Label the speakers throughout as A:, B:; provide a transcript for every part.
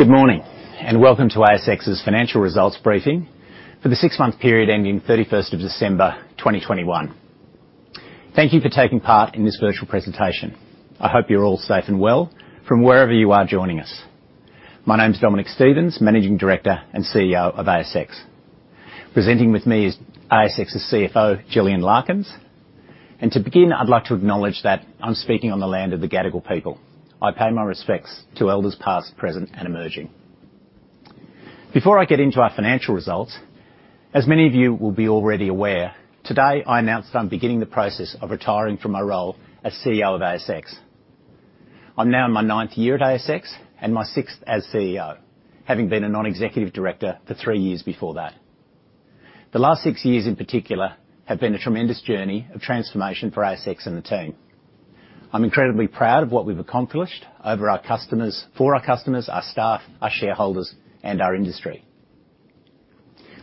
A: Good morning, and welcome to ASX's financial results briefing for the six-month period ending December 31, 2021. Thank you for taking part in this virtual presentation. I hope you're all safe and well from wherever you are joining us. My name's Dominic Stevens, Managing Director and CEO of ASX. Presenting with me is ASX's CFO, Gillian Larkins. To begin, I'd like to acknowledge that I'm speaking on the land of the Gadigal people. I pay my respects to elders past, present, and emerging. Before I get into our financial results, as many of you will be already aware, today I announce that I'm beginning the process of retiring from my role as CEO of ASX. I'm now in my ninth year at ASX and my sixth as CEO, having been a non-executive director for three years before that. The last six years in particular have been a tremendous journey of transformation for ASX and the team. I'm incredibly proud of what we've accomplished for our customers, our staff, our shareholders, and our industry.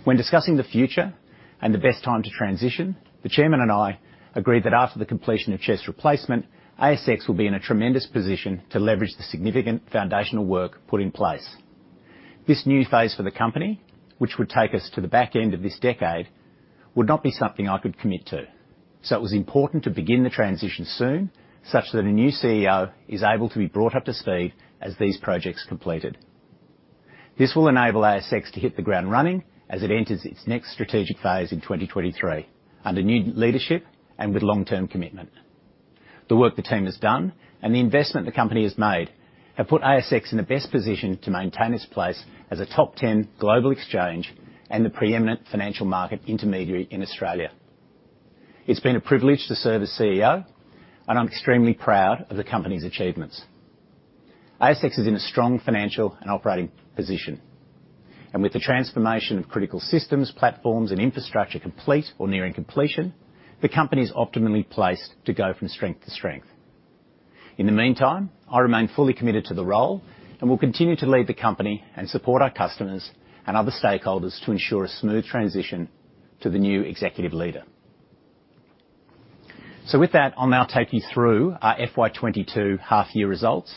A: When discussing the future and the best time to transition, the chairman and I agreed that after the completion of CHESS replacement, ASX will be in a tremendous position to leverage the significant foundational work put in place. This new phase for the company, which would take us to the back end of this decade, would not be something I could commit to, so it was important to begin the transition soon, such that a new CEO is able to be brought up to speed as these projects completed. This will enable ASX to hit the ground running as it enters its next strategic phase in 2023 under new leadership and with long-term commitment. The work the team has done and the investment the company has made have put ASX in the best position to maintain its place as a top 10 global exchange, and the pre-eminent financial market intermediary in Australia. It's been a privilege to serve as CEO, and I'm extremely proud of the company's achievements. ASX is in a strong financial and operating position. With the transformation of critical systems, platforms, and infrastructure complete or nearing completion, the company's optimally placed to go from strength to strength. In the meantime, I remain fully committed to the role and will continue to lead the company and support our customers and other stakeholders to ensure a smooth transition to the new executive leader. With that, I'll now take you through our FY 2022 half-year results,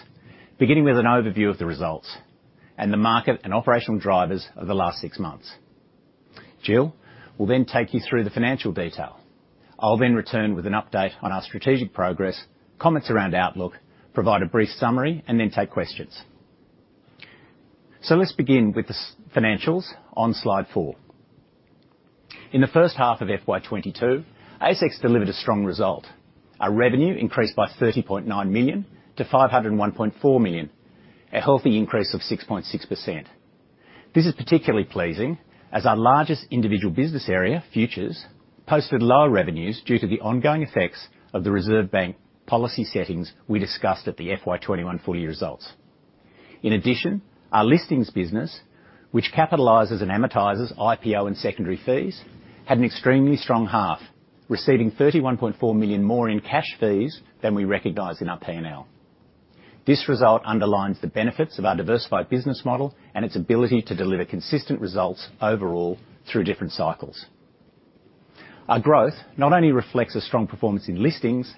A: beginning with an overview of the results and the market and operational drivers over the last six months. Gill will then take you through the financial detail. I'll then return with an update on our strategic progress, comments around outlook, provide a brief summary, and then take questions. Let's begin with the financials on Slide 4. In the first half of FY 2022, ASX delivered a strong result. Our revenue increased by 30.9 million to 501.4 million, a healthy increase of 6.6%. This is particularly pleasing as our largest individual business area, Futures, posted lower revenues due to the ongoing effects of the Reserve Bank policy settings we discussed at the FY 2021 full-year results. In addition, our listings business, which capitalizes and amortizes IPO and secondary fees, had an extremely strong half, receiving 31.4 million more in cash fees than we recognized in our P&L. This result underlines the benefits of our diversified business model and its ability to deliver consistent results overall through different cycles. Our growth not only reflects a strong performance in listings,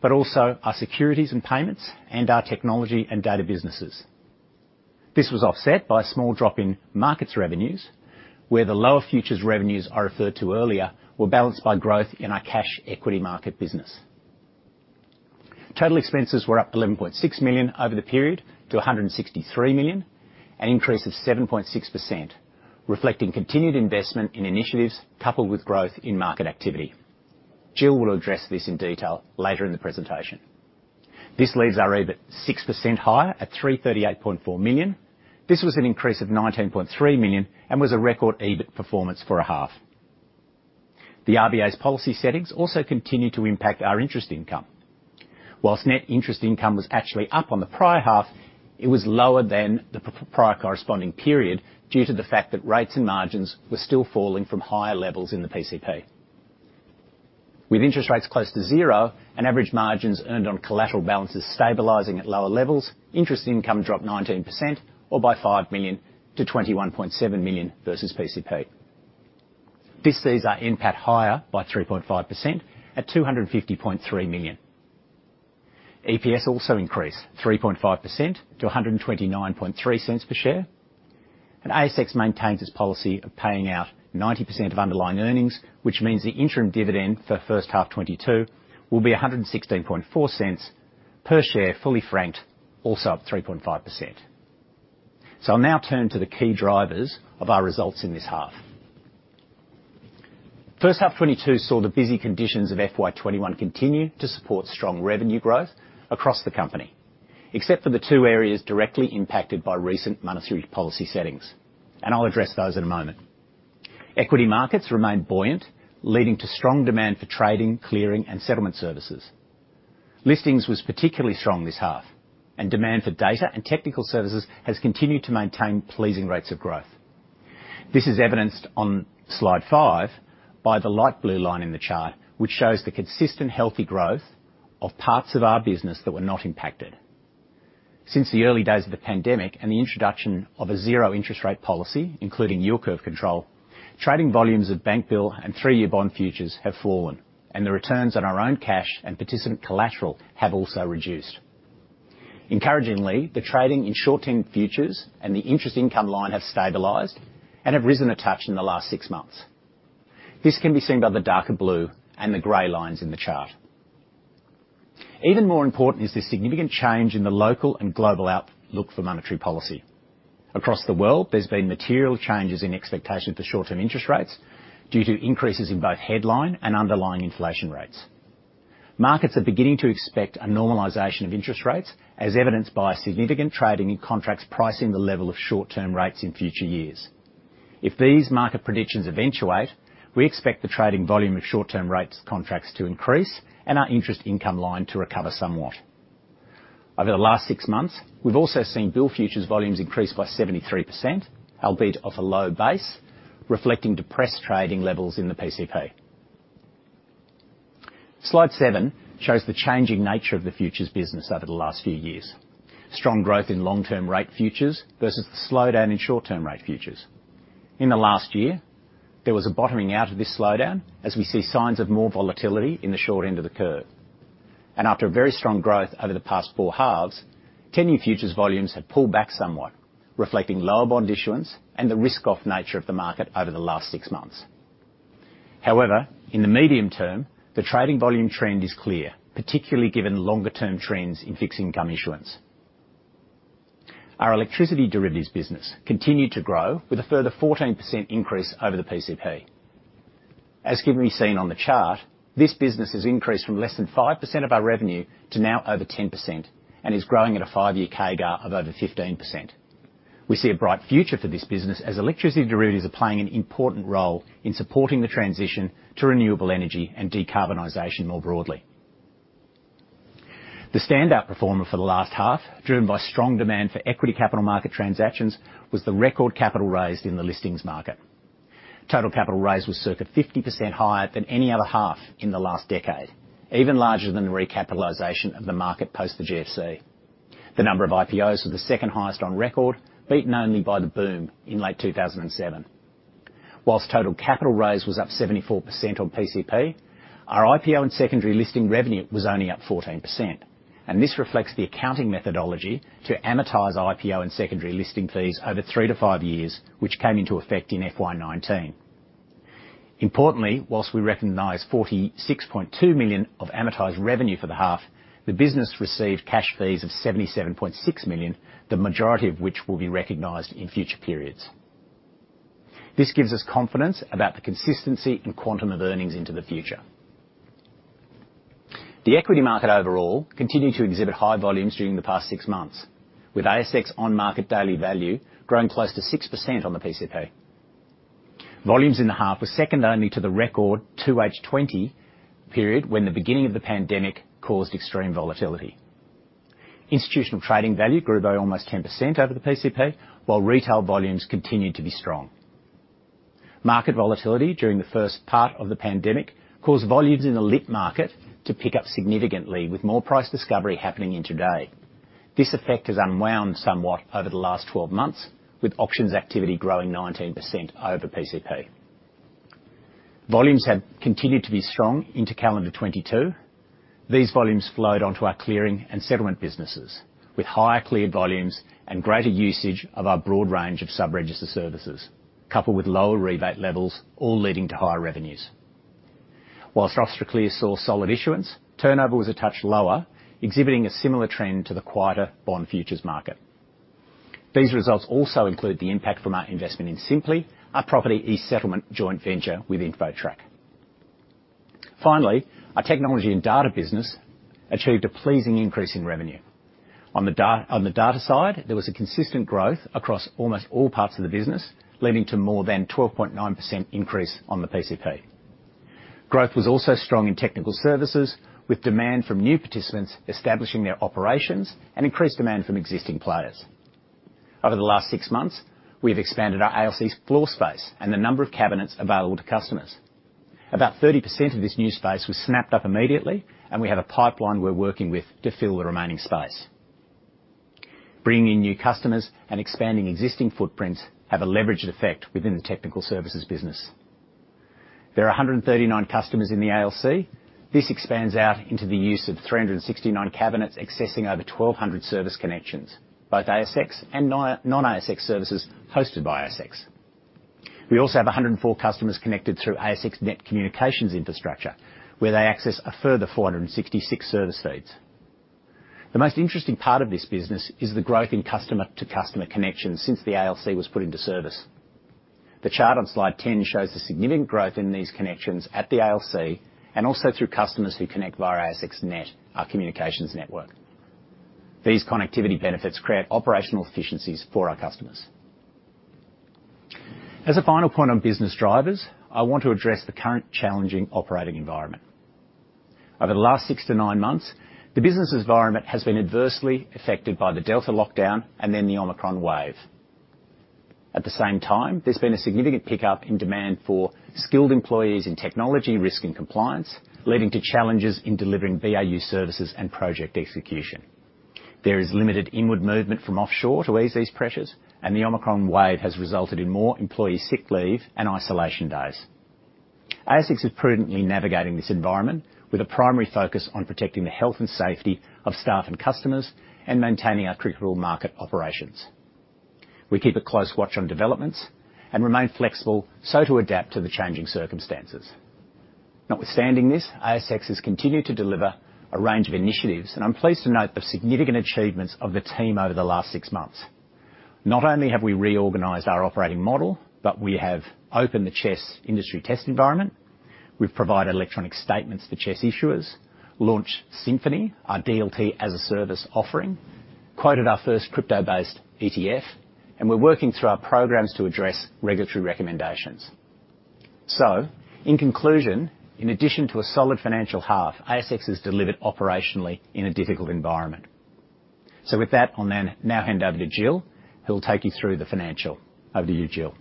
A: but also our securities and payments and our technology and data businesses. This was offset by a small drop in markets revenues, where the lower futures revenues I referred to earlier were balanced by growth in our cash equity market business. Total expenses were up 11.6 million over the period to 163 million, an increase of 7.6%, reflecting continued investment in initiatives coupled with growth in market activity. Gill will address this in detail later in the presentation. This leaves our EBIT 6% higher at 338.4 million. This was an increase of 19.3 million and was a record EBIT performance for a half. The RBA's policy settings also continued to impact our interest income. While net interest income was actually up on the prior half, it was lower than the prior corresponding period due to the fact that rates and margins were still falling from higher levels in the PCP. With interest rates close to zero and average margins earned on collateral balances stabilizing at lower levels, interest income dropped 19% or by 5 million to 21.7 million versus PCP. This sees our NPAT higher by 3.5% at 250.3 million. EPS also increased 3.5% to 1.293 per share. ASX maintains its policy of paying out 90% of underlying earnings, which means the interim dividend for first half 2022 will be 1.164 per share, fully franked, also up 3.5%. I'll now turn to the key drivers of our results in this half. First half 2022 saw the busy conditions of FY 2021 continue to support strong revenue growth across the company, except for the two areas directly impacted by recent monetary policy settings. I'll address those in a moment. Equity markets remained buoyant, leading to strong demand for trading, clearing, and settlement services. Listings was particularly strong this half, and demand for data and technical services has continued to maintain pleasing rates of growth. This is evidenced on Slide 5 by the light blue line in the chart, which shows the consistent healthy growth of parts of our business that were not impacted. Since the early days of the pandemic and the introduction of a zero-interest rate policy, including yield curve control, trading volumes of bank bill and three-year bond futures have fallen, and the returns on our own cash and participant collateral have also reduced. Encouragingly, the trading in short-term futures and the interest income line have stabilized and have risen a touch in the last 6 months. This can be seen by the darker blue and the gray lines in the chart. Even more important is the significant change in the local and global outlook for monetary policy. Across the world, there's been material changes in expectation for short-term interest rates due to increases in both headline and underlying inflation rates. Markets are beginning to expect a normalization of interest rates, as evidenced by significant trading in contracts pricing the level of short-term rates in future years. If these market predictions eventuate, we expect the trading volume of short-term rates contracts to increase, and our interest income line to recover somewhat. Over the last six months, we've also seen bill futures volumes increase by 73%, albeit off a low base, reflecting depressed trading levels in the PCP. Slide 7 shows the changing nature of the futures business over the last few years, strong growth in long-term rate futures versus the slowdown in short-term rate futures. In the last year, there was a bottoming out of this slowdown as we see signs of more volatility in the short end of the curve. After a very strong growth over the past 4 halves, 10-year futures volumes have pulled back somewhat, reflecting lower bond issuance and the risk-off nature of the market over the last 6 months. However, in the medium term, the trading volume trend is clear, particularly given longer term trends in fixed income issuance. Our electricity derivatives business continued to grow with a further 14% increase over the PCP. As can be seen on the chart, this business has increased from less than 5% of our revenue to now over 10% and is growing at a 5-year CAGR of over 15%. We see a bright future for this business as electricity derivatives are playing an important role in supporting the transition to renewable energy and decarbonization more broadly. The standout performer for the last half, driven by strong demand for equity capital market transactions, was the record capital raised in the listings market. Total capital raised was circa 50% higher than any other half in the last decade. Even larger than the recapitalization of the market post the GFC. The number of IPOs was the second highest on record, beaten only by the boom in late 2007. While total capital raise was up 74% on PCP, our IPO and secondary listing revenue was only up 14%, and this reflects the accounting methodology to amortize IPO and secondary listing fees over 3-5 years, which came into effect in FY 2019. Importantly, while we recognize 46.2 million of amortized revenue for the half, the business received cash fees of 77.6 million, the majority of which will be recognized in future periods. This gives us confidence about the consistency and quantum of earnings into the future. The equity market overall continued to exhibit high volumes during the past six months, with ASX on-market daily value growing close to 6% on the PCP. Volumes in the half were second only to the record 2H 2020 period when the beginning of the pandemic caused extreme volatility. Institutional trading value grew by almost 10% over the PCP, while retail volumes continued to be strong. Market volatility during the first part of the pandemic caused volumes in the lit market to pick up significantly, with more price discovery happening intra-day. This effect has unwound somewhat over the last 12 months, with auction activity growing 19% over PCP. Volumes have continued to be strong into calendar 2022. These volumes flowed onto our clearing and settlement businesses, with higher cleared volumes and greater usage of our broad range of sub-register services, coupled with lower rebate levels, all leading to higher revenues. While Austraclear saw solid issuance, turnover was a touch lower, exhibiting a similar trend to the quieter bond futures market. These results also include the impact from our investment in Sympli, our property e-settlement joint venture with InfoTrack. Finally, our technology and data business achieved a pleasing increase in revenue. On the data side, there was a consistent growth across almost all parts of the business, leading to more than 12.9% increase on the PCP. Growth was also strong in technical services, with demand from new participants establishing their operations and increased demand from existing players. Over the last six months, we have expanded our ALC's floor space and the number of cabinets available to customers. About 30% of this new space was snapped up immediately, and we have a pipeline we're working with to fill the remaining space. Bringing in new customers and expanding existing footprints have a leveraged effect within the technical services business. There are 139 customers in the ALC. This expands out into the use of 369 cabinets, accessing over 1,200 service connections, both ASX and non-ASX services hosted by ASX. We also have 104 customers connected through ASX Net communications infrastructure, where they access a further 466 service feeds. The most interesting part of this business is the growth in customer-to-customer connections since the ALC was put into service. The chart on slide 10 shows the significant growth in these connections at the ALC, and also through customers who connect via ASX Net, our communications network. These connectivity benefits create operational efficiencies for our customers. As a final point on business drivers, I want to address the current challenging operating environment. Over the last 6-9 months, the business environment has been adversely affected by the Delta lockdown and then the Omicron wave. At the same time, there's been a significant pickup in demand for skilled employees in technology, risk, and compliance, leading to challenges in delivering BAU services and project execution. There is limited inward movement from offshore to ease these pressures, and the Omicron wave has resulted in more employee sick leave and isolation days. ASX is prudently navigating this environment with a primary focus on protecting the health and safety of staff and customers, and maintaining our critical market operations. We keep a close watch on developments and remain flexible so to adapt to the changing circumstances. Notwithstanding this, ASX has continued to deliver a range of initiatives, and I'm pleased to note the significant achievements of the team over the last six months. Not only have we reorganized our operating model, but we have opened the CHESS industry test environment. We've provided electronic statements for CHESS issuers, launched Synfini, our DLT as a service offering, quoted our first crypto-based ETF, and we're working through our programs to address regulatory recommendations. In conclusion, in addition to a solid financial half, ASX has delivered operationally in a difficult environment. With that, I'll then now hand over to Gill, who will take you through the financial. Over to you, Gill.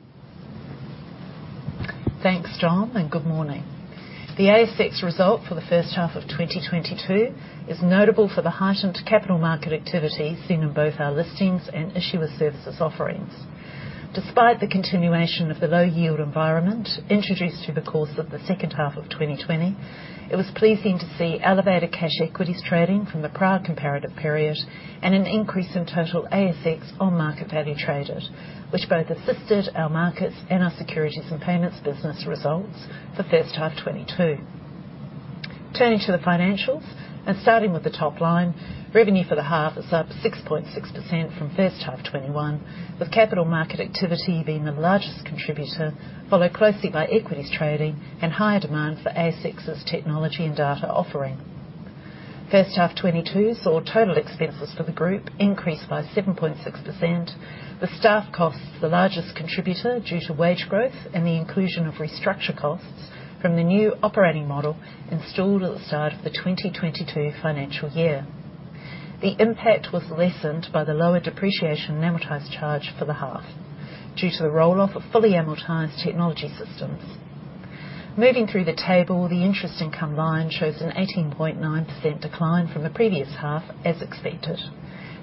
B: Thanks, Dom, and good morning. The ASX result for the first half of 2022 is notable for the heightened capital market activity seen in both our listings and issuer services offerings. Despite the continuation of the low yield environment introduced through the course of the second half of 2020, it was pleasing to see elevated cash equities trading from the prior comparative period and an increase in total ASX on market value traded, which both assisted our markets and our securities and payments business results for first half 2022. Turning to the financials and starting with the top line, revenue for the half is up 6.6% from first half 2021, with capital market activity being the largest contributor, followed closely by equities trading and higher demand for ASX's technology and data offering. First half 2022 saw total expenses for the group increase by 7.6%, with staff costs the largest contributor due to wage growth and the inclusion of restructure costs from the new operating model installed at the start of the 2022 financial year. The impact was lessened by the lower depreciation and amortization charge for the half due to the roll-off of fully amortized technology systems. Moving through the table, the interest income line shows an 18.9% decline from the previous half, as expected.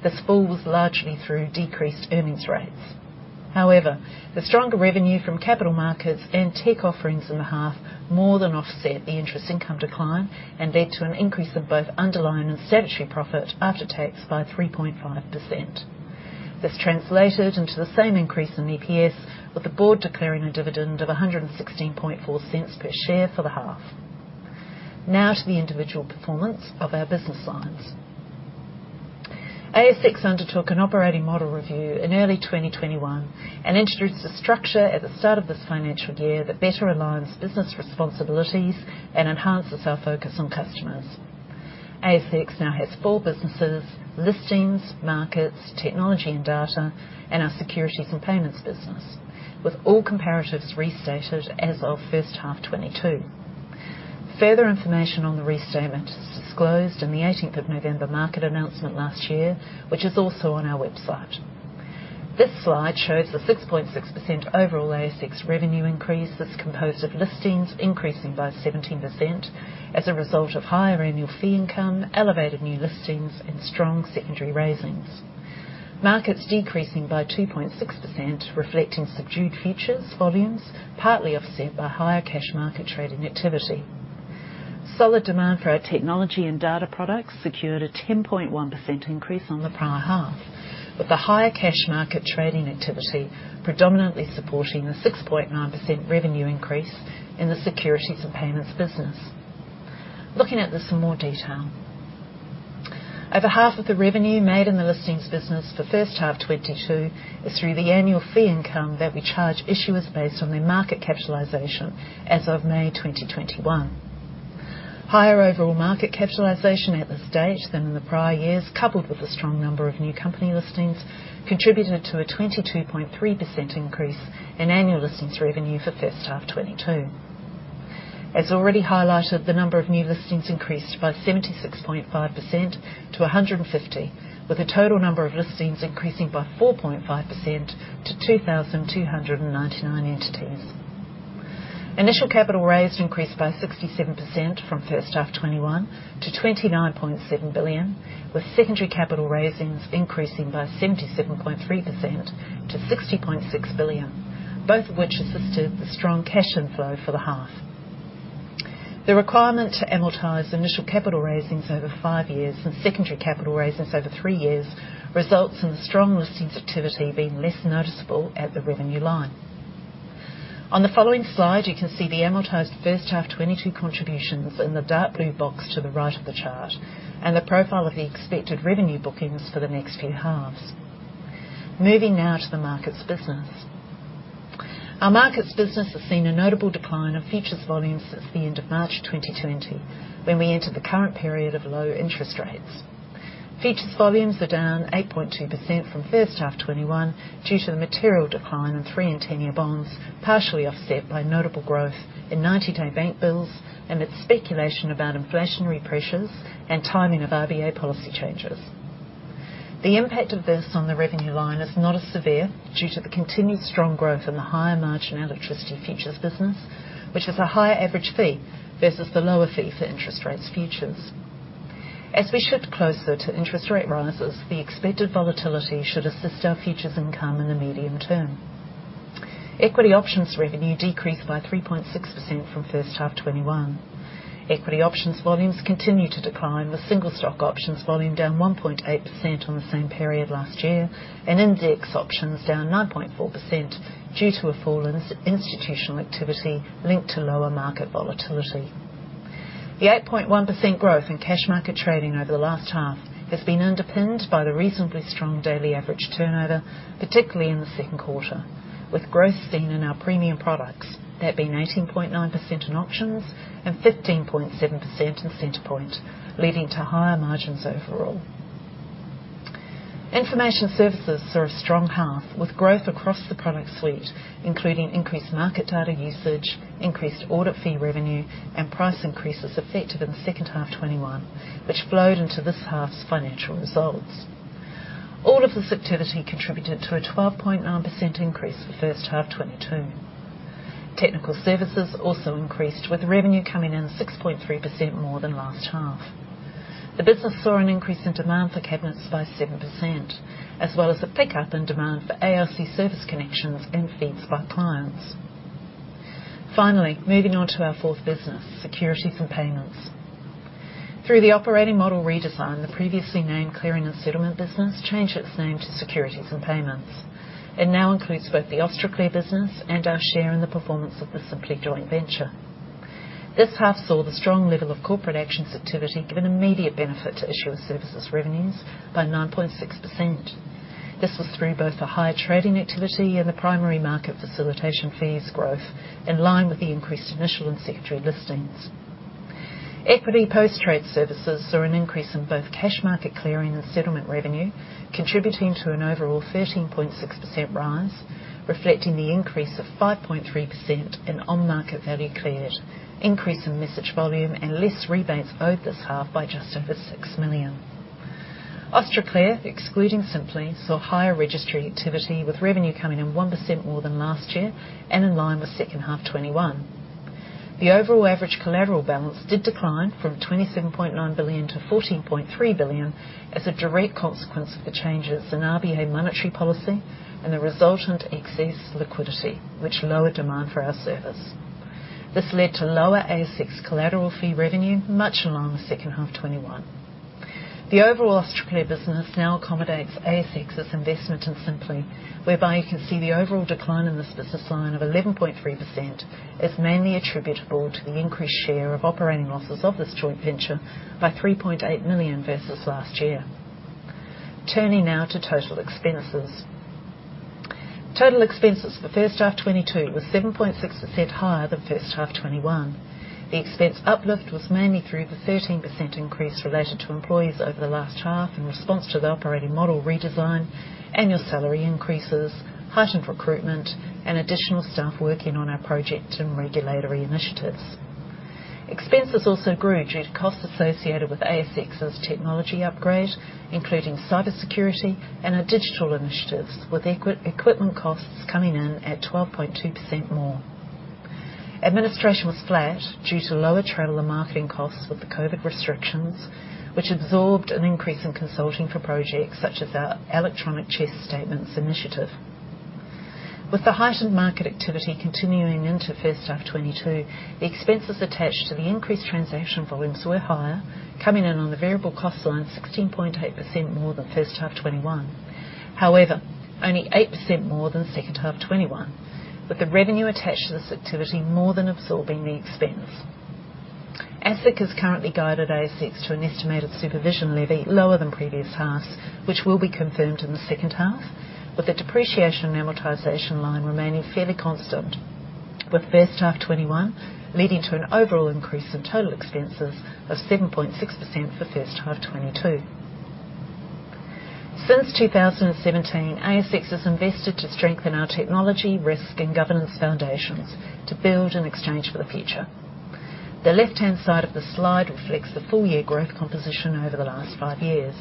B: This fall was largely through decreased earnings rates. However, the stronger revenue from capital markets and tech offerings in the half more than offset the interest income decline and led to an increase in both underlying and statutory profit after tax by 3.5%. This translated into the same increase in EPS, with the board declaring a dividend of 1.164 per share for the half. Now to the individual performance of our business lines. ASX undertook an operating model review in early 2021 and introduced a structure at the start of this financial year that better aligns business responsibilities and enhances our focus on customers. ASX now has four businesses, Listings, Markets, Technology and Data, and our Securities and Payments business, with all comparatives restated as of first half 2022. Further information on the restatement is disclosed in the 18th of November market announcement last year, which is also on our website. This slide shows the 6.6% overall ASX revenue increase that's composed of Listings increasing by 17% as a result of higher annual fee income, elevated new listings and strong secondary raisings. Markets decreasing by 2.6%, reflecting subdued futures volumes partly offset by higher cash market trading activity. Solid demand for our technology and data products secured a 10.1% increase on the prior half, with the higher cash market trading activity predominantly supporting the 6.9% revenue increase in the securities and payments business. Looking at this in more detail. Over half of the revenue made in the listings business for first half 2022 is through the annual fee income that we charge issuers based on their market capitalization as of May 2021. Higher overall market capitalization at this stage than in the prior years, coupled with a strong number of new company listings, contributed to a 22.3% increase in annual listings revenue for first half 2022. As already highlighted, the number of new listings increased by 76.5% to 150, with the total number of listings increasing by 4.5% to 2,299 entities. Initial capital raised increased by 67% from first half 2021 to 29.7 billion, with secondary capital raisings increasing by 77.3% to 60.6 billion, both of which assisted the strong cash inflow for the half. The requirement to amortize initial capital raisings over five years and secondary capital raisings over three years results in the strong listings activity being less noticeable at the revenue line. On the following slide, you can see the amortized first half 2022 contributions in the dark blue box to the right of the chart and the profile of the expected revenue bookings for the next few halves. Moving now to the markets business. Our markets business has seen a notable decline in futures volumes since the end of March 2020, when we entered the current period of low interest rates. Futures volumes are down 8.2% from first half 2021 due to the material decline in 3- and 10-year bonds, partially offset by notable growth in 90-day bank bills amid speculation about inflationary pressures and timing of RBA policy changes. The impact of this on the revenue line is not as severe due to the continued strong growth in the higher margin electricity futures business, which has a higher average fee versus the lower fee for interest rates futures. As we shift closer to interest rate rises, the expected volatility should assist our futures income in the medium term. Equity options revenue decreased by 3.6% from first half 2021. Equity options volumes continue to decline, with single stock options volume down 1.8% on the same period last year and index options down 9.4% due to a fall in institutional activity linked to lower market volatility. The 8.1% growth in cash market trading over the last half has been underpinned by the reasonably strong daily average turnover, particularly in the second quarter, with growth seen in our premium products, that being 18.9% in options and 15.7% in Centre Point, leading to higher margins overall. Information services saw a strong half, with growth across the product suite, including increased market data usage, increased audit fee revenue, and price increases effective in second half 2021, which flowed into this half's financial results. All of this activity contributed to a 12.9% increase for first half 2022. Technical services also increased, with revenue coming in 6.3% more than last half. The business saw an increase in demand for cabinets by 7%, as well as a pickup in demand for ASX service connections and feeds by clients. Finally, moving on to our fourth business, Securities and Payments. Through the operating model redesign, the previously named clearing and settlement business changed its name to Securities and Payments. It now includes both the Austraclear business and our share in the performance of the Sympli Joint Venture. This half saw the strong level of corporate actions activity give an immediate benefit to issuer services revenues by 9.6%. This was through both the higher trading activity and the primary market facilitation fees growth, in line with the increased initial and secondary listings. Equity post-trade services saw an increase in both cash market clearing and settlement revenue, contributing to an overall 13.6% rise, reflecting the increase of 5.3% in on-market value cleared, increase in message volume, and less rebates owed this half by just over 6 million. Austraclear, excluding Sympli, saw higher registry activity, with revenue coming in 1% more than last year and in line with second half 2021. The overall average collateral balance did decline from 27.9 billion to 14.3 billion as a direct consequence of the changes in RBA monetary policy and the resultant excess liquidity, which lowered demand for our service. This led to lower ASX collateral fee revenue, much in line with second half 2021. The overall Austraclear business now accommodates ASX's investment in Sympli, whereby you can see the overall decline in this business line of 11.3% is mainly attributable to the increased share of operating losses of this joint venture by 3.8 million versus last year. Turning now to total expenses. Total expenses for first half 2022 was 7.6% higher than first half 2021. The expense uplift was mainly through the 13% increase related to employees over the last half in response to the operating model redesign, annual salary increases, heightened recruitment, and additional staff working on our project and regulatory initiatives. Expenses also grew due to costs associated with ASX's technology upgrade, including cybersecurity and our digital initiatives, with equipment costs coming in at 12.2% more. Administration was flat due to lower travel and marketing costs with the COVID restrictions, which absorbed an increase in consulting for projects such as our electronic CHESS eStatements initiative. With the heightened market activity continuing into first half 2022, the expenses attached to the increased transaction volumes were higher, coming in on the variable cost line 16.8% more than first half 2021. However, only 8% more than second half 2021, with the revenue attached to this activity more than absorbing the expense. ASIC has currently guided ASX to an estimated supervision levy lower than previous halves, which will be confirmed in the second half, with the depreciation and amortization line remaining fairly constant with first half 2021, leading to an overall increase in total expenses of 7.6% for first half 2022. Since 2017, ASX has invested to strengthen our technology, risk, and governance foundations to build an exchange for the future. The left-hand side of the slide reflects the full year growth composition over the last 5 years.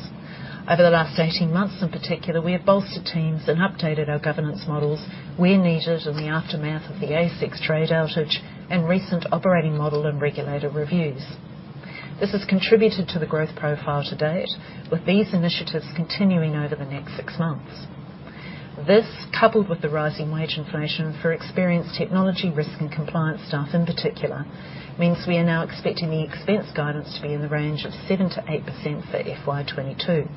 B: Over the last 18 months in particular, we have bolstered teams and updated our governance models where needed in the aftermath of the ASX trade outage and recent operating model and regulator reviews. This has contributed to the growth profile to date, with these initiatives continuing over the next 6 months. This, coupled with the rising wage inflation for experienced technology risk and compliance staff in particular, means we are now expecting the expense guidance to be in the range of 7%-8% for FY 2022,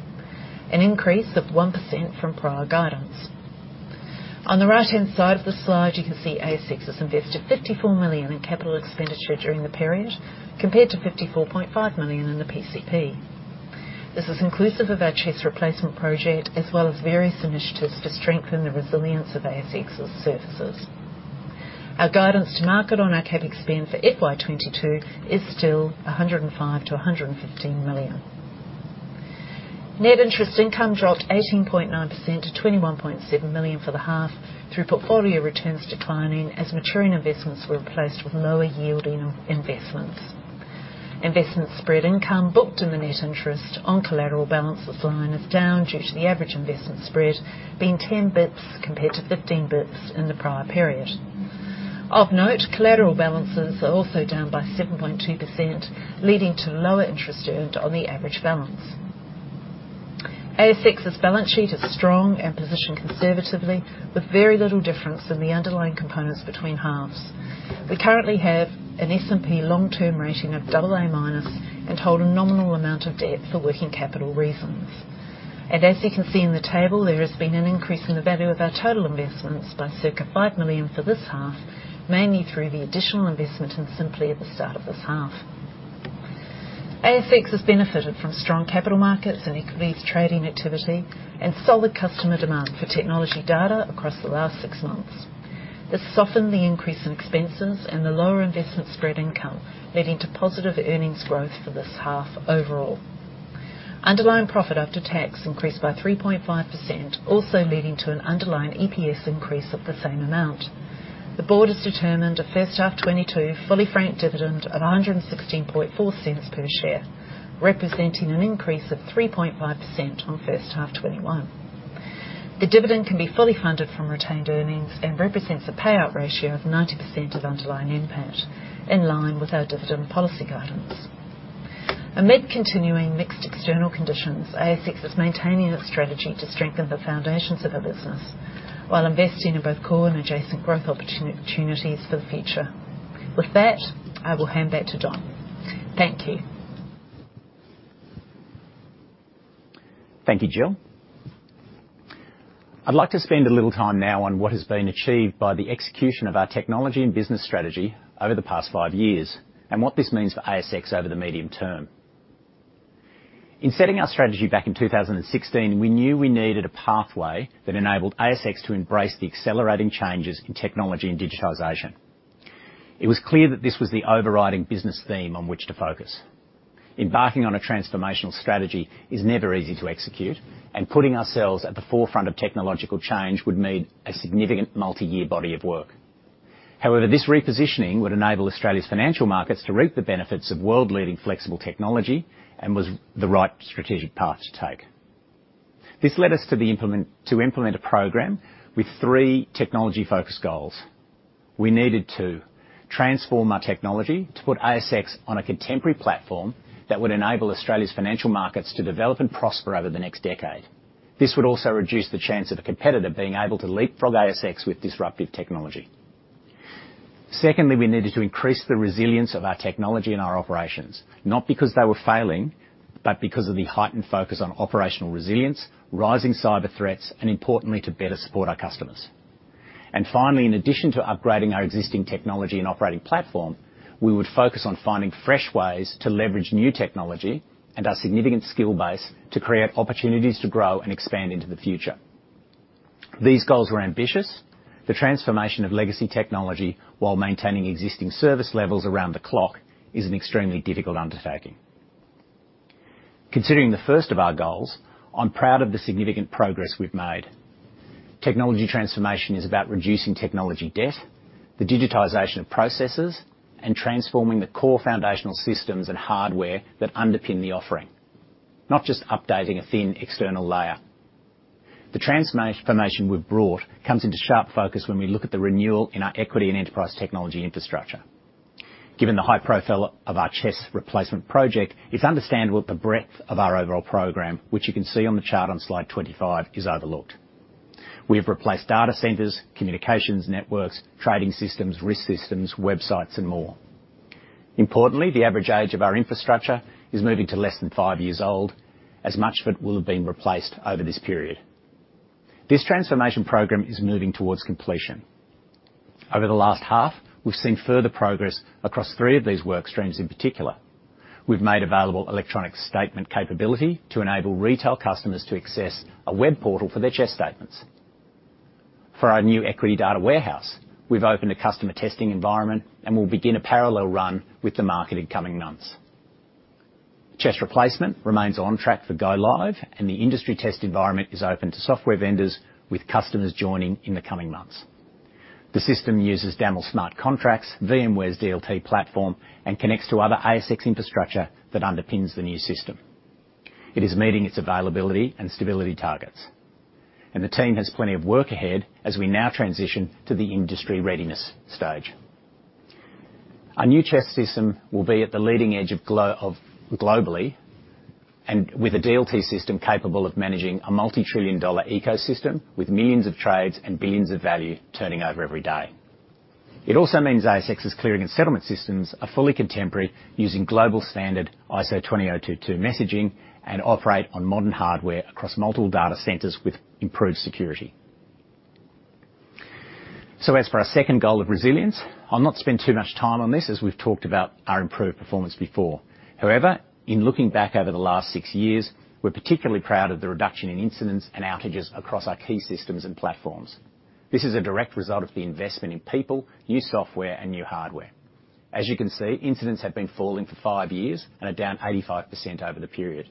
B: an increase of 1% from prior guidance. On the right-hand side of the slide, you can see ASX has invested 54 million in capital expenditure during the period, compared to 54.5 million in the PCP. This is inclusive of our CHESS replacement project, as well as various initiatives to strengthen the resilience of ASX's services. Our guidance to market on our CapEx spend for FY 2022 is still 105 million-115 million. Net interest income dropped 18.9% to 21.7 million for the half through portfolio returns declining as maturing investments were replaced with lower yielding investments. Investment spread income booked in the net interest on collateral balances line is down due to the average investment spread being 10 bps compared to 15 bps in the prior period. Of note, collateral balances are also down by 7.2%, leading to lower interest earned on the average balance. ASX's balance sheet is strong and positioned conservatively with very little difference in the underlying components between halves. We currently have an S&P long-term rating of AA- and hold a nominal amount of debt for working capital reasons. As you can see in the table, there has been an increase in the value of our total investments by circa 5 million for this half, mainly through the additional investment in Sympli at the start of this half. ASX has benefited from strong capital markets and increased trading activity and solid customer demand for technology data across the last six months. This softened the increase in expenses and the lower investment spread income, leading to positive earnings growth for this half overall. Underlying profit after tax increased by 3.5%, also leading to an underlying EPS increase of the same amount. The board has determined a first half 2022 fully franked dividend of 1.164 per share, representing an increase of 3.5% on first half 2021. The dividend can be fully funded from retained earnings and represents a payout ratio of 90% of underlying NPAT, in line with our dividend policy guidance. Amid continuing mixed external conditions, ASX is maintaining its strategy to strengthen the foundations of our business while investing in both core and adjacent growth opportunities for the future. With that, I will hand back to Dom. Thank you.
A: Thank you, Gillian. I'd like to spend a little time now on what has been achieved by the execution of our technology and business strategy over the past five years and what this means for ASX over the medium term. In setting our strategy back in 2016, we knew we needed a pathway that enabled ASX to embrace the accelerating changes in technology and digitization. It was clear that this was the overriding business theme on which to focus. Embarking on a transformational strategy is never easy to execute, and putting ourselves at the forefront of technological change would mean a significant multi-year body of work. However, this repositioning would enable Australia's financial markets to reap the benefits of world-leading flexible technology and was the right strategic path to take. This led us to implement a program with three technology-focused goals. We needed to transform our technology to put ASX on a contemporary platform that would enable Australia's financial markets to develop and prosper over the next decade. This would also reduce the chance of a competitor being able to leapfrog ASX with disruptive technology. Secondly, we needed to increase the resilience of our technology and our operations, not because they were failing, but because of the heightened focus on operational resilience, rising cyber threats, and importantly, to better support our customers. Finally, in addition to upgrading our existing technology and operating platform, we would focus on finding fresh ways to leverage new technology and our significant skill base to create opportunities to grow and expand into the future. These goals were ambitious. The transformation of legacy technology while maintaining existing service levels around the clock is an extremely difficult undertaking. Considering the first of our goals, I'm proud of the significant progress we've made. Technology transformation is about reducing technology debt, the digitization of processes, and transforming the core foundational systems and hardware that underpin the offering, not just updating a thin external layer. The transformation we've brought comes into sharp focus when we look at the renewal in our equity and enterprise technology infrastructure. Given the high profile of our CHESS replacement project, it's understandable the breadth of our overall program, which you can see on the chart on slide 25, is overlooked. We have replaced data centers, communications networks, trading systems, risk systems, websites, and more. Importantly, the average age of our infrastructure is moving to less than five years old, as much of it will have been replaced over this period. This transformation program is moving towards completion. Over the last half, we've seen further progress across three of these work streams in particular. We've made available electronic statement capability to enable retail customers to access a web portal for their CHESS eStatements. For our new equity data warehouse, we've opened a customer testing environment and will begin a parallel run with the market in coming months. CHESS replacement remains on track for go live, and the industry test environment is open to software vendors, with customers joining in the coming months. The system uses Daml smart contracts, VMware's DLT platform, and connects to other ASX infrastructure that underpins the new system. It is meeting its availability and stability targets, and the team has plenty of work ahead as we now transition to the industry readiness stage. Our new CHESS system will be at the leading edge of globally, and with a DLT system capable of managing a multi-trillion dollar ecosystem with millions of trades and billions of value turning over every day. It also means ASX's clearing and settlement systems are fully contemporary using global standard ISO 20022 messaging and operate on modern hardware across multiple data centers with improved security. As for our second goal of resilience, I'll not spend too much time on this as we've talked about our improved performance before. However, in looking back over the last six years, we're particularly proud of the reduction in incidents and outages across our key systems and platforms. This is a direct result of the investment in people, new software, and new hardware. As you can see, incidents have been falling for 5 years and are down 85% over the period.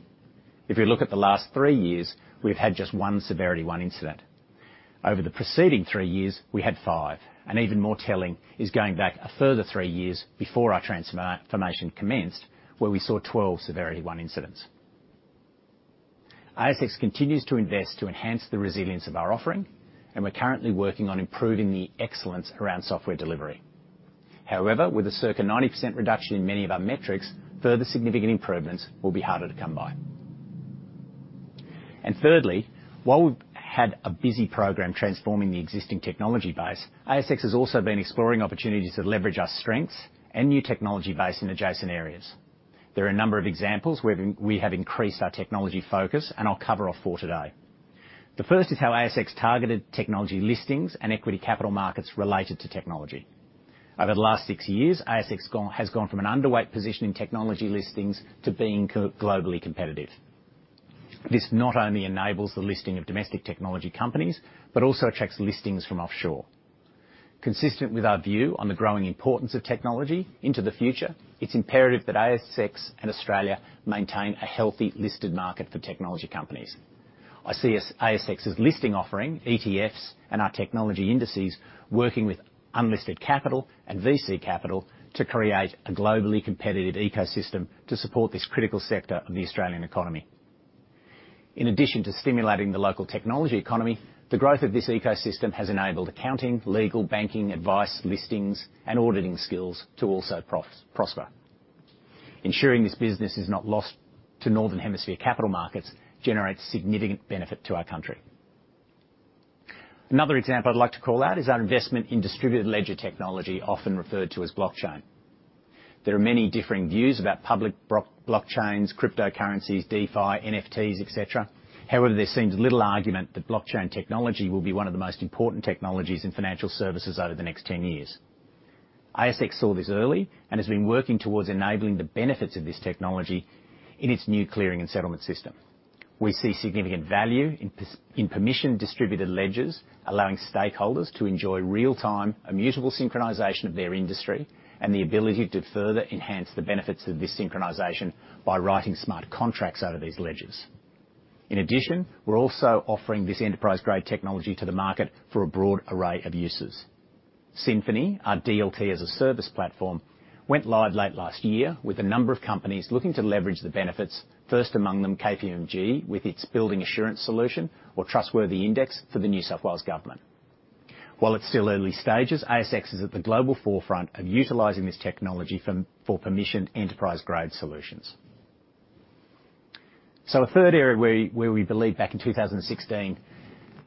A: If you look at the last 3 years, we've had just 1 severity one incident. Over the preceding 3 years, we had 5. Even more telling is going back a further 3 years before our transformation commenced, where we saw 12 severity one incidents. ASX continues to invest to enhance the resilience of our offering, and we're currently working on improving the excellence around software delivery. However, with a circa 90% reduction in many of our metrics, further significant improvements will be harder to come by. Thirdly, while we've had a busy program transforming the existing technology base, ASX has also been exploring opportunities to leverage our strengths and new technology base in adjacent areas. There are a number of examples where we have increased our technology focus, and I'll cover off four today. The first is how ASX targeted technology listings and equity capital markets related to technology. Over the last six years, ASX has gone from an underweight position in technology listings to being globally competitive. This not only enables the listing of domestic technology companies, but also attracts listings from offshore. Consistent with our view on the growing importance of technology into the future, it's imperative that ASX and Australia maintain a healthy listed market for technology companies. I see ASX's listing offering ETFs and our technology indices working with unlisted capital and VC capital to create a globally competitive ecosystem to support this critical sector of the Australian economy. In addition to stimulating the local technology economy, the growth of this ecosystem has enabled accounting, legal, banking, advice, listings, and auditing skills to also prosper. Ensuring this business is not lost to northern hemisphere capital markets generates significant benefit to our country. Another example I'd like to call out is our investment in distributed ledger technology, often referred to as blockchain. There are many differing views about public blockchains, cryptocurrencies, DeFi, NFTs, et cetera. However, there seems little argument that blockchain technology will be one of the most important technologies in financial services over the next 10 years. ASX saw this early and has been working towards enabling the benefits of this technology in its new clearing and settlement system. We see significant value in permissioned distributed ledgers, allowing stakeholders to enjoy real-time immutable synchronization of their industry and the ability to further enhance the benefits of this synchronization by writing smart contracts out of these ledgers. In addition, we're also offering this enterprise-grade technology to the market for a broad array of uses. Synfini, our DLT as a service platform, went live late last year with a number of companies looking to leverage the benefits, first among them KPMG with its building assurance solution or trustworthy index for the New South Wales government. While it's still early stages, ASX is at the global forefront of utilizing this technology for permissioned enterprise-grade solutions. A third area where we believed back in 2016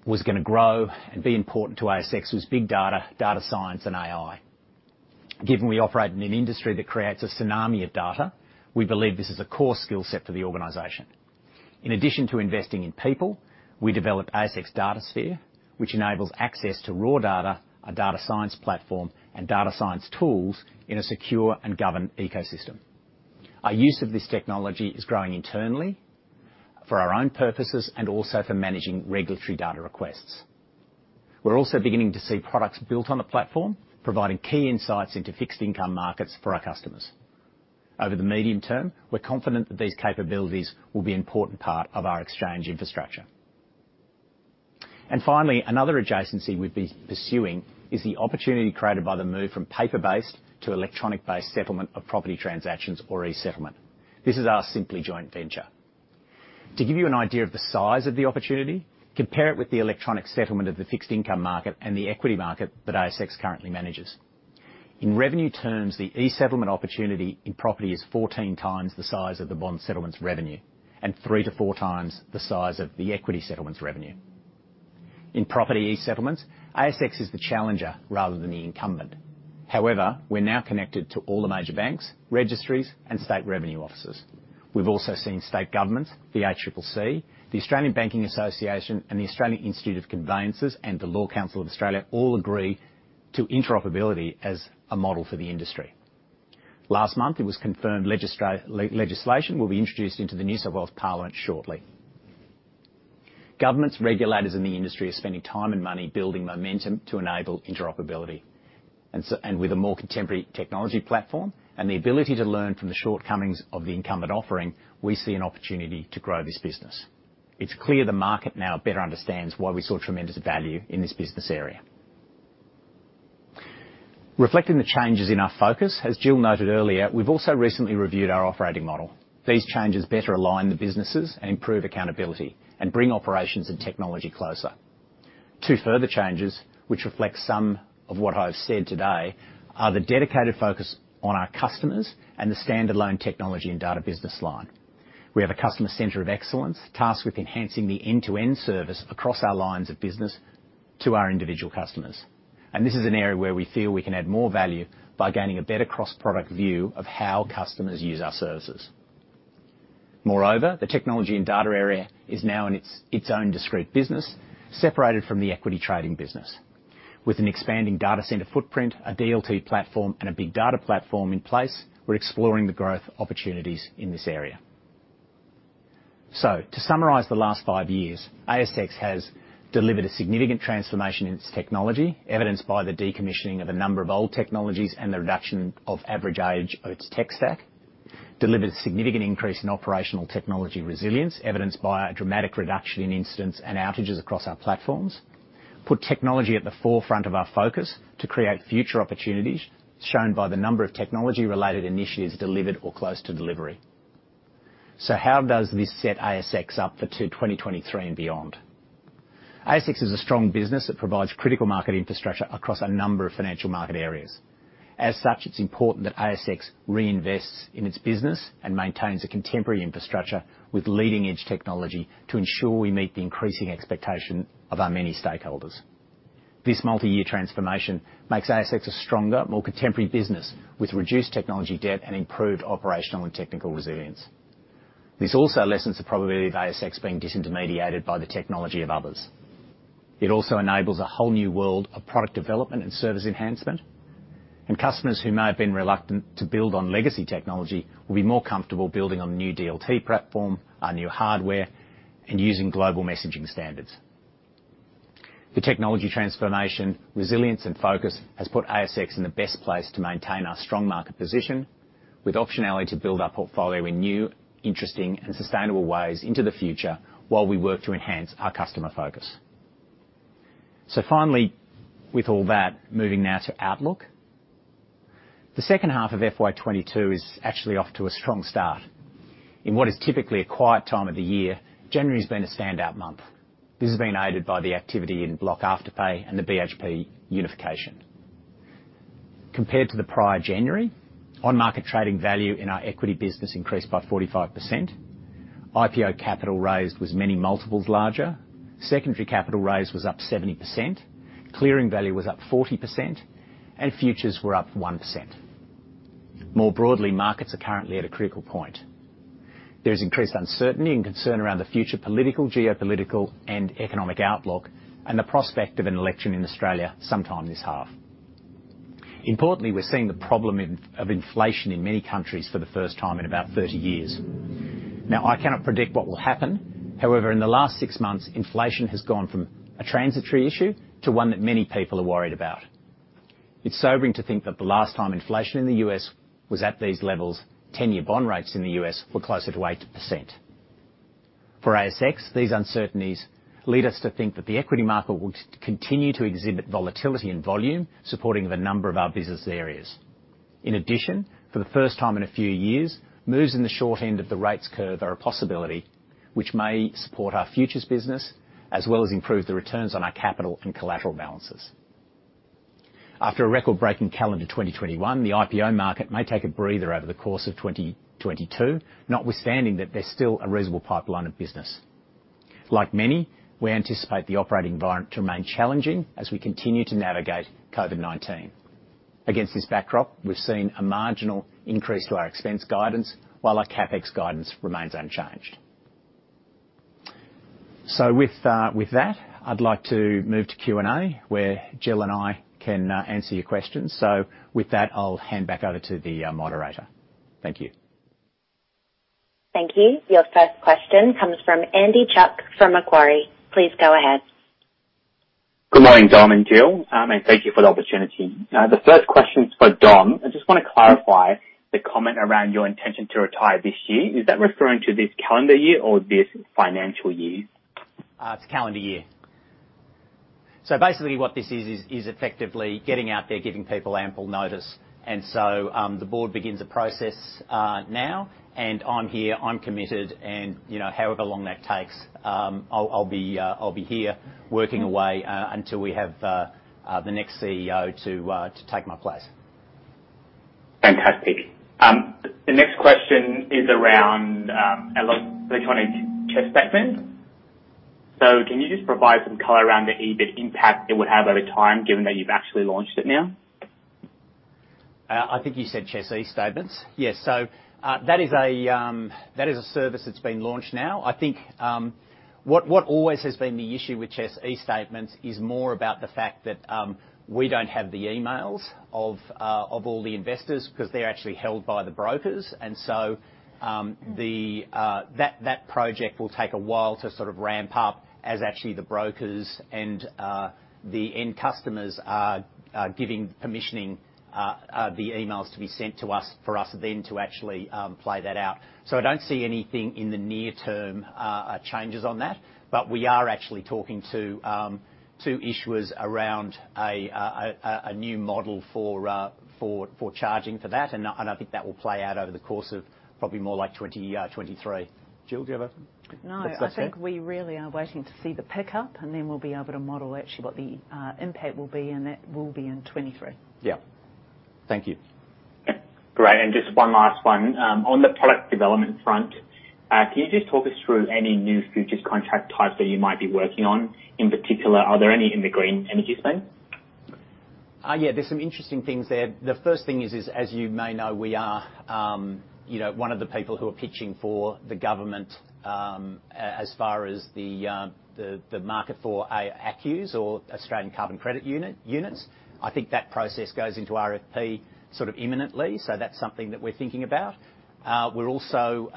A: was gonna grow and be important to ASX was big data science, and AI. Given we operate in an industry that creates a tsunami of data, we believe this is a core skill set for the organization. In addition to investing in people, we developed ASX DataSphere, which enables access to raw data, a data science platform, and data science tools in a secure and governed ecosystem. Our use of this technology is growing internally for our own purposes and also for managing regulatory data requests. We're also beginning to see products built on the platform, providing key insights into fixed income markets for our customers. Over the medium term, we're confident that these capabilities will be an important part of our exchange infrastructure. Finally, another adjacency we've been pursuing is the opportunity created by the move from paper-based to electronic-based settlement of property transactions or e-settlement. This is our Sympli Joint Venture. To give you an idea of the size of the opportunity, compare it with the electronic settlement of the fixed income market and the equity market that ASX currently manages. In revenue terms, the e-settlement opportunity in property is 14 times the size of the bond settlements revenue, and 3-4 times the size of the equity settlements revenue. In property e-settlements, ASX is the challenger rather than the incumbent. However, we're now connected to all the major banks, registries, and state revenue offices. We've also seen state governments, the ACCC, the Australian Banking Association, and the Australian Institute of Conveyancers, and the Law Council of Australia all agree to interoperability as a model for the industry. Last month, it was confirmed legislation will be introduced into the New South Wales Parliament shortly. Governments, regulators, and the industry are spending time and money building momentum to enable interoperability. with a more contemporary technology platform and the ability to learn from the shortcomings of the incumbent offering, we see an opportunity to grow this business. It's clear the market now better understands why we saw tremendous value in this business area. Reflecting the changes in our focus, as Gill noted earlier, we've also recently reviewed our operating model. These changes better align the businesses and improve accountability and bring operations and technology closer. Two further changes, which reflect some of what I've said today, are the dedicated focus on our customers and the standalone technology and data business line. We have a customer center of excellence tasked with enhancing the end-to-end service across our lines of business to our individual customers. This is an area where we feel we can add more value by gaining a better cross-product view of how customers use our services. Moreover, the technology and data area is now in its own discrete business, separated from the equity trading business. With an expanding data center footprint, a DLT platform, and a big data platform in place, we're exploring the growth opportunities in this area. To summarize the last five years, ASX has delivered a significant transformation in its technology, evidenced by the decommissioning of a number of old technologies and the reduction of average age of its tech stack. ASX has delivered a significant increase in operational technology resilience, evidenced by a dramatic reduction in incidents and outages across our platforms. ASX has put technology at the forefront of our focus to create future opportunities, shown by the number of technology-related initiatives delivered or close to delivery. How does this set ASX up for 2023 and beyond? ASX is a strong business that provides critical market infrastructure across a number of financial market areas. As such, it's important that ASX reinvests in its business and maintains a contemporary infrastructure with leading-edge technology to ensure we meet the increasing expectation of our many stakeholders. This multi-year transformation makes ASX a stronger, more contemporary business with reduced technology debt and improved operational and technical resilience. This also lessens the probability of ASX being disintermediated by the technology of others. It also enables a whole new world of product development and service enhancement. Customers who may have been reluctant to build on legacy technology will be more comfortable building on the new DLT platform, our new hardware, and using global messaging standards. The technology transformation, resilience, and focus has put ASX in the best place to maintain our strong market position, with optionality to build our portfolio in new, interesting, and sustainable ways into the future, while we work to enhance our customer focus. Finally, with all that, moving now to outlook. The second half of FY 2022 is actually off to a strong start. In what is typically a quiet time of the year, January has been a standout month. This has been aided by the activity in Block Afterpay and the BHP unification. Compared to the prior January, on-market trading value in our equity business increased by 45%, IPO capital raised was many multiples larger, secondary capital raise was up 70%, clearing value was up 40%, and futures were up 1%. More broadly, markets are currently at a critical point. There is increased uncertainty and concern around the future political, geopolitical, and economic outlook, and the prospect of an election in Australia sometime this half. Importantly, we're seeing the problem of inflation in many countries for the first time in about 30 years. I cannot predict what will happen. However, in the last six months, inflation has gone from a transitory issue to one that many people are worried about. It's sobering to think that the last time inflation in the U.S. was at these levels, 10-year bond rates in the U.S. were closer to 8%. For ASX, these uncertainties lead us to think that the equity market will continue to exhibit volatility and volume, supporting a number of our business areas. In addition, for the first time in a few years, moves in the short end of the rates curve are a possibility, which may support our futures business, as well as improve the returns on our capital and collateral balances. After a record-breaking calendar 2021, the IPO market may take a breather over the course of 2022, notwithstanding that there's still a reasonable pipeline of business. Like many, we anticipate the operating environment to remain challenging as we continue to navigate COVID-19. Against this backdrop, we've seen a marginal increase to our expense guidance, while our CapEx guidance remains unchanged. With that, I'd like to move to Q&A, where Gill and I can answer your questions. With that, I'll hand back over to the moderator. Thank you.
C: Thank you. Your first question comes from Andy Chuk from Macquarie. Please go ahead.
D: Good morning, Dom and Gill. Thank you for the opportunity. The first question's for Dom. I just wanna clarify the comment around your intention to retire this year. Is that referring to this calendar year or this financial year?
A: It's calendar year. Basically what this is is effectively getting out there, giving people ample notice. The board begins a process now, and I'm here, I'm committed, and you know, however long that takes, I'll be here working away until we have the next CEO to take my place.
D: Fantastic. The next question is around electronic CHESS eStatements. Can you just provide some color around the EBIT impact it would have over time, given that you've actually launched it now?
A: I think you said CHESS eStatements. Yes. That is a service that's been launched now. I think what always has been the issue with CHESS eStatements is more about the fact that we don't have the emails of all the investors, 'cause they're actually held by the brokers. That project will take a while to sort of ramp up as actually the brokers and the end customers are giving permissioning the emails to be sent to us for us then to actually play that out. I don't see anything in the near term changes on that. We are actually talking to issuers around a new model for charging for that. I think that will play out over the course of probably more like 2023. Gill, do you have a
B: No, I think we really are waiting to see the pickup, and then we'll be able to model actually what the impact will be, and that will be in 2023.
A: Yeah. Thank you.
D: Great. Just one last one. On the product development front, can you just talk us through any new futures contract types that you might be working on? In particular, are there any in the green energy space?
A: Yeah, there's some interesting things there. The first thing is, as you may know, we are, you know, one of the people who are pitching for the government. As far as the market for ACCUs or Australian Carbon Credit Units, I think that process goes into RFP sort of imminently, so that's something that we're thinking about. We're also,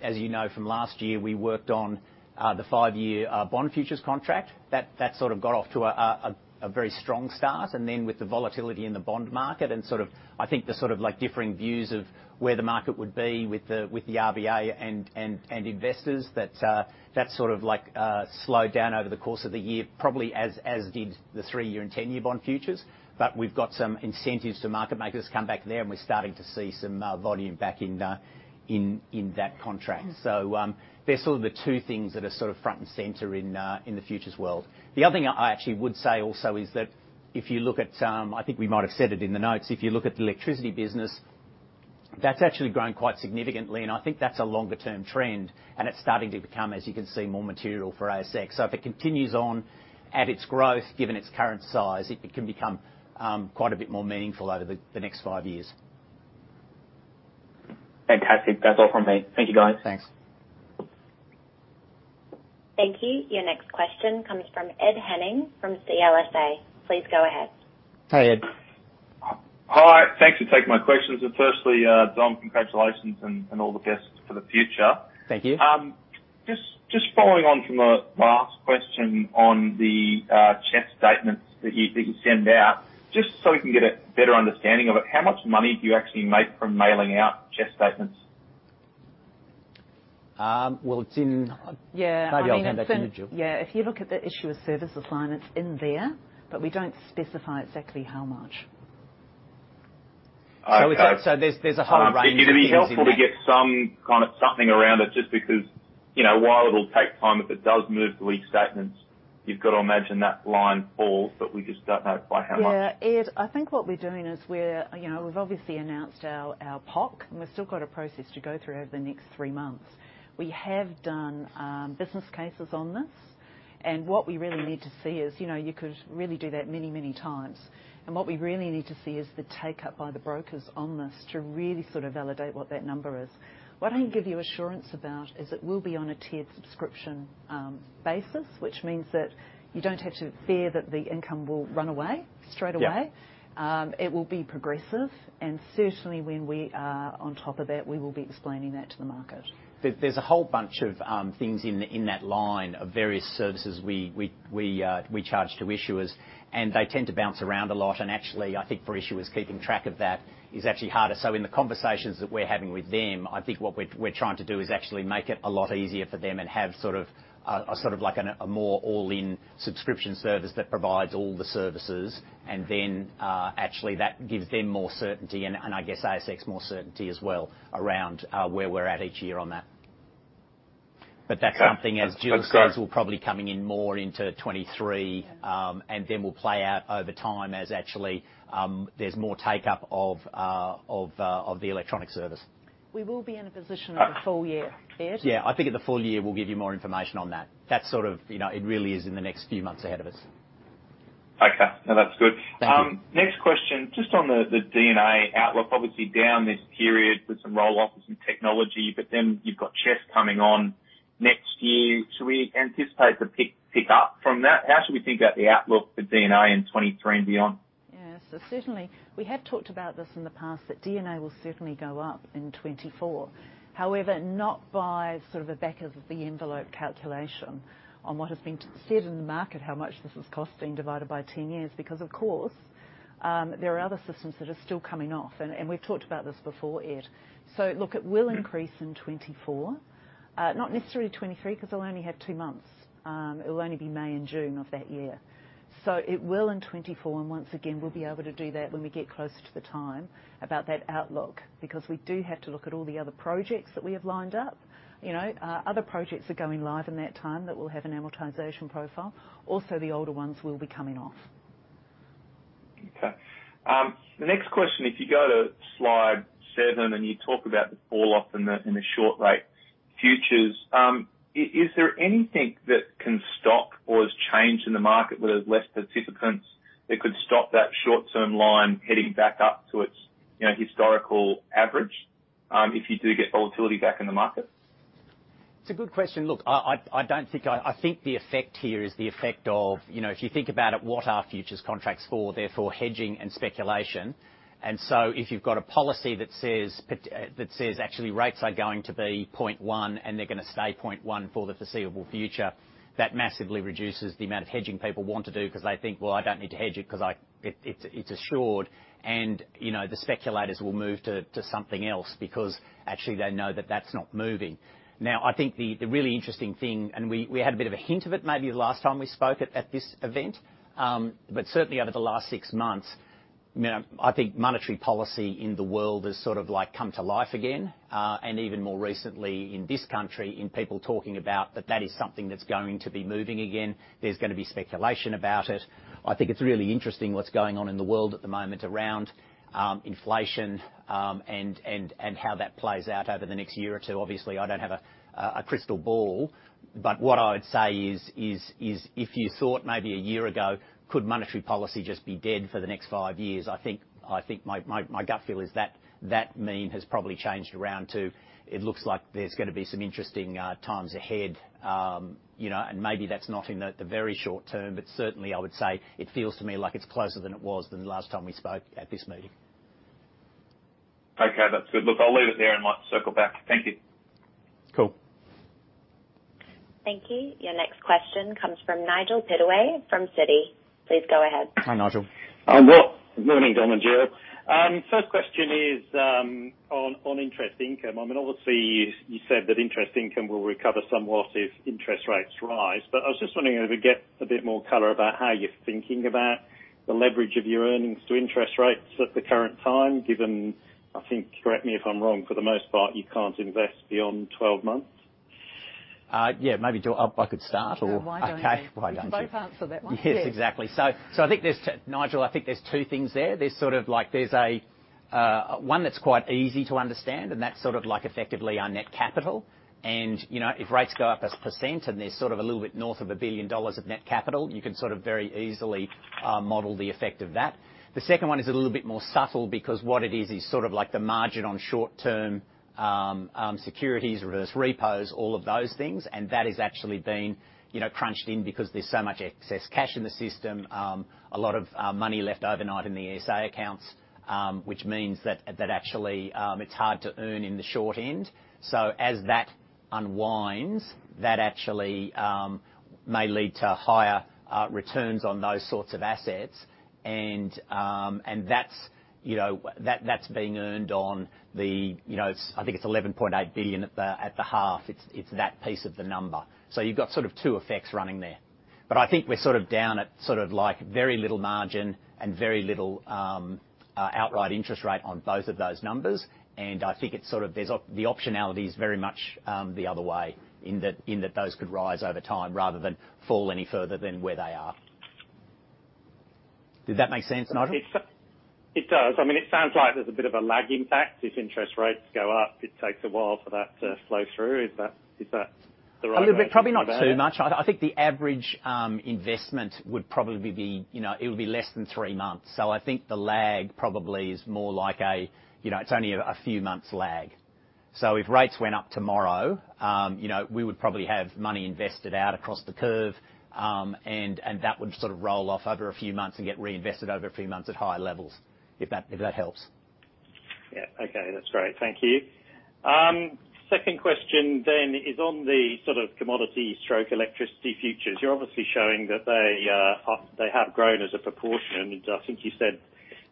A: as you know from last year, we worked on the five-year bond futures contract. That sort of got off to a very strong start. With the volatility in the bond market and sort of, I think the sort of like differing views of where the market would be with the RBA and investors that sort of like slowed down over the course of the year, probably as did the three-year and ten-year bond futures. We've got some incentives to market makers come back there, and we're starting to see some volume back in that contract. They're sort of the two things that are sort of front and center in the futures world. The other thing I actually would say also is that if you look at, I think we might have said it in the notes, if you look at the electricity business, that's actually grown quite significantly, and I think that's a longer-term trend, and it's starting to become, as you can see, more material for ASX. If it continues on at its growth, given its current size, it can become quite a bit more meaningful over the next five years.
D: Fantastic. That's all from me. Thank you, guys.
A: Thanks.
C: Thank you. Your next question comes from Ed Henning from CLSA. Please go ahead.
A: Hi, Ed.
E: Hi. Thanks for taking my questions. Firstly, Dom, congratulations and all the best for the future.
A: Thank you.
E: Just following on from the last question on the CHESS eStatements that you send out, just so we can get a better understanding of it, how much money do you actually make from mailing out CHESS eStatements?
A: Well, it's in Maybe I'll hand back to you, Gill.
B: Yeah. If you look at the issue of service assignments in there, but we don't specify exactly how much.
A: There's a whole range.
E: It'd be helpful to get some kind of something around it, just because, you know, while it'll take time, if it does move the lease statements, you've got to imagine that line falls, but we just don't know by how much.
B: Yeah. Ed, I think what we're doing is we're, you know, we've obviously announced our POC, and we've still got a process to go through over the next three months. We have done business cases on this, and what we really need to see is, you know, you could really do that many times. What we really need to see is the take-up by the brokers on this to really sort of validate what that number is. What I can give you assurance about is it will be on a tiered subscription basis, which means that you don't have to fear that the income will run away straight away. It will be progressive. Certainly, when we are on top of that, we will be explaining that to the market.
A: There's a whole bunch of things in that line of various services we charge to issuers, and they tend to bounce around a lot. Actually, I think for issuers, keeping track of that is actually harder. In the conversations that we're having with them, I think what we're trying to do is actually make it a lot easier for them and have sort of a more all-in subscription service that provides all the services. Then, actually that gives them more certainty and I guess ASX more certainty as well around where we're at each year on that. That's something, as Gill says, we're probably coming in more into 2023, and then we'll play out over time as actually, there's more take-up of the electronic service.
B: We will be in a position at the full year, Ed.
A: Yeah. I think at the full year, we'll give you more information on that. That's sort of. You know, it really is in the next few months ahead of us.
E: Okay. No, that's good.
A: Thank you.
E: Next question, just on the D&A outlook, obviously down this period with some roll-off of some technology, but then you've got CHESS coming on next year. Should we anticipate the pick up from that? How should we think about the outlook for D&A in 2023 and beyond?
B: Yeah. Certainly we have talked about this in the past, that D&A will certainly go up in 2024. However, not by sort of a back of the envelope calculation on what has been said in the market, how much this is costing divided by 10 years, because of course, there are other systems that are still coming off, and we've talked about this before, Ed. Look, it will increase in 2024, not necessarily 2023, 'cause it'll only have 2 months. It'll only be May and June of that year. It will in 2024, and once again, we'll be able to do that when we get closer to the time about that outlook, because we do have to look at all the other projects that we have lined up. You know, other projects are going live in that time that will have an amortization profile. Also, the older ones will be coming off.
E: Okay. The next question, if you go to slide 7 and you talk about the fall off in the short rate futures, is there anything that can stop or has changed in the market where there's less participants that could stop that short-term line heading back up to its, you know, historical average, if you do get volatility back in the market?
A: It's a good question. Look, I think the effect here is the effect of, you know, if you think about it, what are futures contracts for? They're for hedging and speculation. If you've got a policy that says actually rates are going to be 0.1 and they're gonna stay 0.1 for the foreseeable future, that massively reduces the amount of hedging people want to do because they think, "Well, I don't need to hedge it 'cause it's assured," and, you know, the speculators will move to something else because actually they know that that's not moving. Now, I think the really interesting thing, and we had a bit of a hint of it maybe the last time we spoke at this event, but certainly over the last six months, you know, I think monetary policy in the world has sort of like come to life again, and even more recently in this country in people talking about that that is something that's going to be moving again. There's gonna be speculation about it. I think it's really interesting what's going on in the world at the moment around inflation, and how that plays out over the next year or two. Obviously, I don't have a crystal ball, but what I would say is if you thought maybe a year ago, could monetary policy just be dead for the next five years? I think my gut feel is that that mean has probably changed around to it looks like there's gonna be some interesting times ahead. You know, and maybe that's not in the very short term, but certainly I would say it feels to me like it's closer than it was the last time we spoke at this meeting.
E: Okay. That's good. Look, I'll leave it there and might circle back. Thank you.
A: Cool.
C: Thank you. Your next question comes from Nigel Pittaway from Citi. Please go ahead.
A: Hi, Nigel.
F: Well, good morning, Dom and Gill. First question is on interest income. I mean, obviously you said that interest income will recover somewhat if interest rates rise. I was just wondering if we get a bit more color about how you're thinking about the leverage of your earnings to interest rates at the current time, given, I think, correct me if I'm wrong, for the most part, you can't invest beyond twelve months.
A: Yeah, maybe I could start or.
B: Yeah, why don't you?
A: Okay. Why don't you?
B: You can both answer that one.
A: Yes, exactly.
B: Yes.
A: Nigel, I think there's two things there. There's sort of like a one that's quite easy to understand, and that's sort of like effectively our net capital. You know, if rates go up 1%, and there's sort of a little bit north of 1 billion dollars of net capital, you can sort of very easily model the effect of that. The second one is a little bit more subtle because what it is is sort of like the margin on short-term securities, reverse repos, all of those things, and that has actually been, you know, crunched in because there's so much excess cash in the system, a lot of money left overnight in the ESA accounts, which means that actually it's hard to earn in the short end. As that unwinds, that actually may lead to higher returns on those sorts of assets. That's, you know, being earned on the, you know, I think it's 11.8 billion at the half. It's that piece of the number. You've got sort of two effects running there. I think we're sort of down at sort of like very little margin and very little outright interest rate on both of those numbers. I think it's sort of the optionality is very much the other way in that those could rise over time rather than fall any further than where they are. Did that make sense, Nigel?
F: It does. I mean, it sounds like there's a bit of a lag impact if interest rates go up. It takes a while for that to flow through. Is that the right way to think about it?
A: A little bit. Probably not too much. I think the average investment would probably be, you know, it would be less than three months. I think the lag probably is more like, you know, it's only a few months lag. If rates went up tomorrow, you know, we would probably have money invested out across the curve, and that would sort of roll off over a few months and get reinvested over a few months at higher levels, if that helps.
F: Yeah. Okay. That's great. Thank you. Second question is on the sort of commodity stroke electricity futures. You're obviously showing that they have grown as a proportion, and I think you said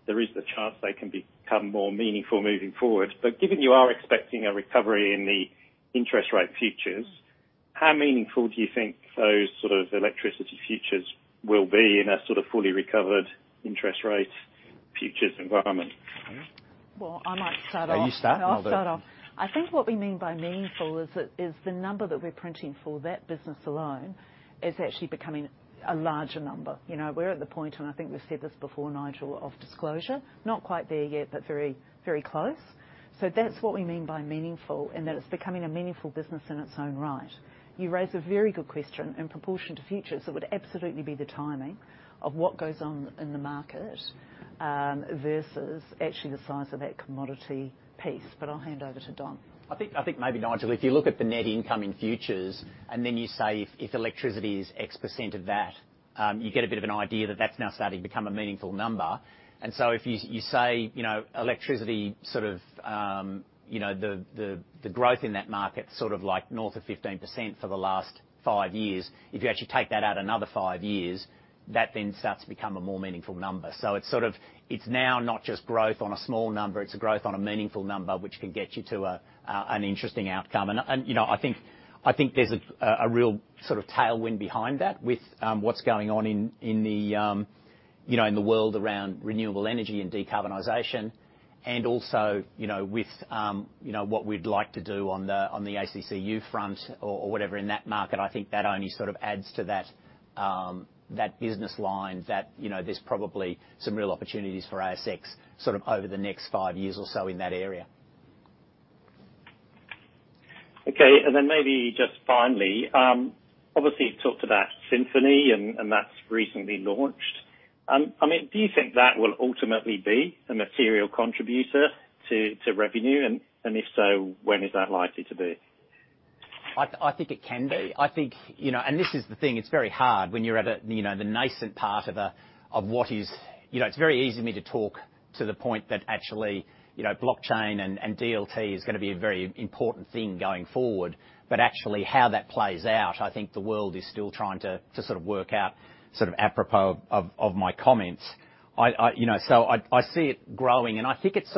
F: there is the chance they can become more meaningful moving forward. But given you are expecting a recovery in the interest rate futures, how meaningful do you think those sort of electricity futures will be in a sort of fully recovered interest rate futures environment?
B: Well, I might start off.
A: Yeah, you start.
B: I'll start off. I think what we mean by meaningful is that the number that we're printing for that business alone is actually becoming a larger number. You know, we're at the point, and I think we've said this before, Nigel, of disclosure. Not quite there yet, but very, very close. So that's what we mean by meaningful, and that it's becoming a meaningful business in its own right. You raise a very good question. In proportion to futures, it would absolutely be the timing of what goes on in the market versus actually the size of that commodity piece. I'll hand over to Dom.
A: I think maybe, Nigel, if you look at the net income in futures, and then you say if electricity is X% of that, you get a bit of an idea that that's now starting to become a meaningful number. If you say, you know, electricity sort of you know the growth in that market, sort of like north of 15% for the last 5 years, if you actually take that out another 5 years, that then starts to become a more meaningful number. It's sort of, it's now not just growth on a small number, it's growth on a meaningful number, which can get you to an interesting outcome. I think there's a real sort of tailwind behind that with what's going on in the world around renewable energy and decarbonization, and also you know with what we'd like to do on the ACCU front or whatever in that market. I think that only sort of adds to that business line that you know there's probably some real opportunities for ASX sort of over the next five years or so in that area.
F: Okay, maybe just finally, obviously you've talked about Synfini and that's recently launched. I mean, do you think that will ultimately be a material contributor to revenue? And if so, when is that likely to be?
A: I think it can be. You know, this is the thing. It's very hard when you're at the nascent part of what is. You know, it's very easy for me to talk to the point that actually, blockchain and DLT is gonna be a very important thing going forward. But actually how that plays out, I think the world is still trying to sort out apropos of my comments. You know, I see it growing, and I think it's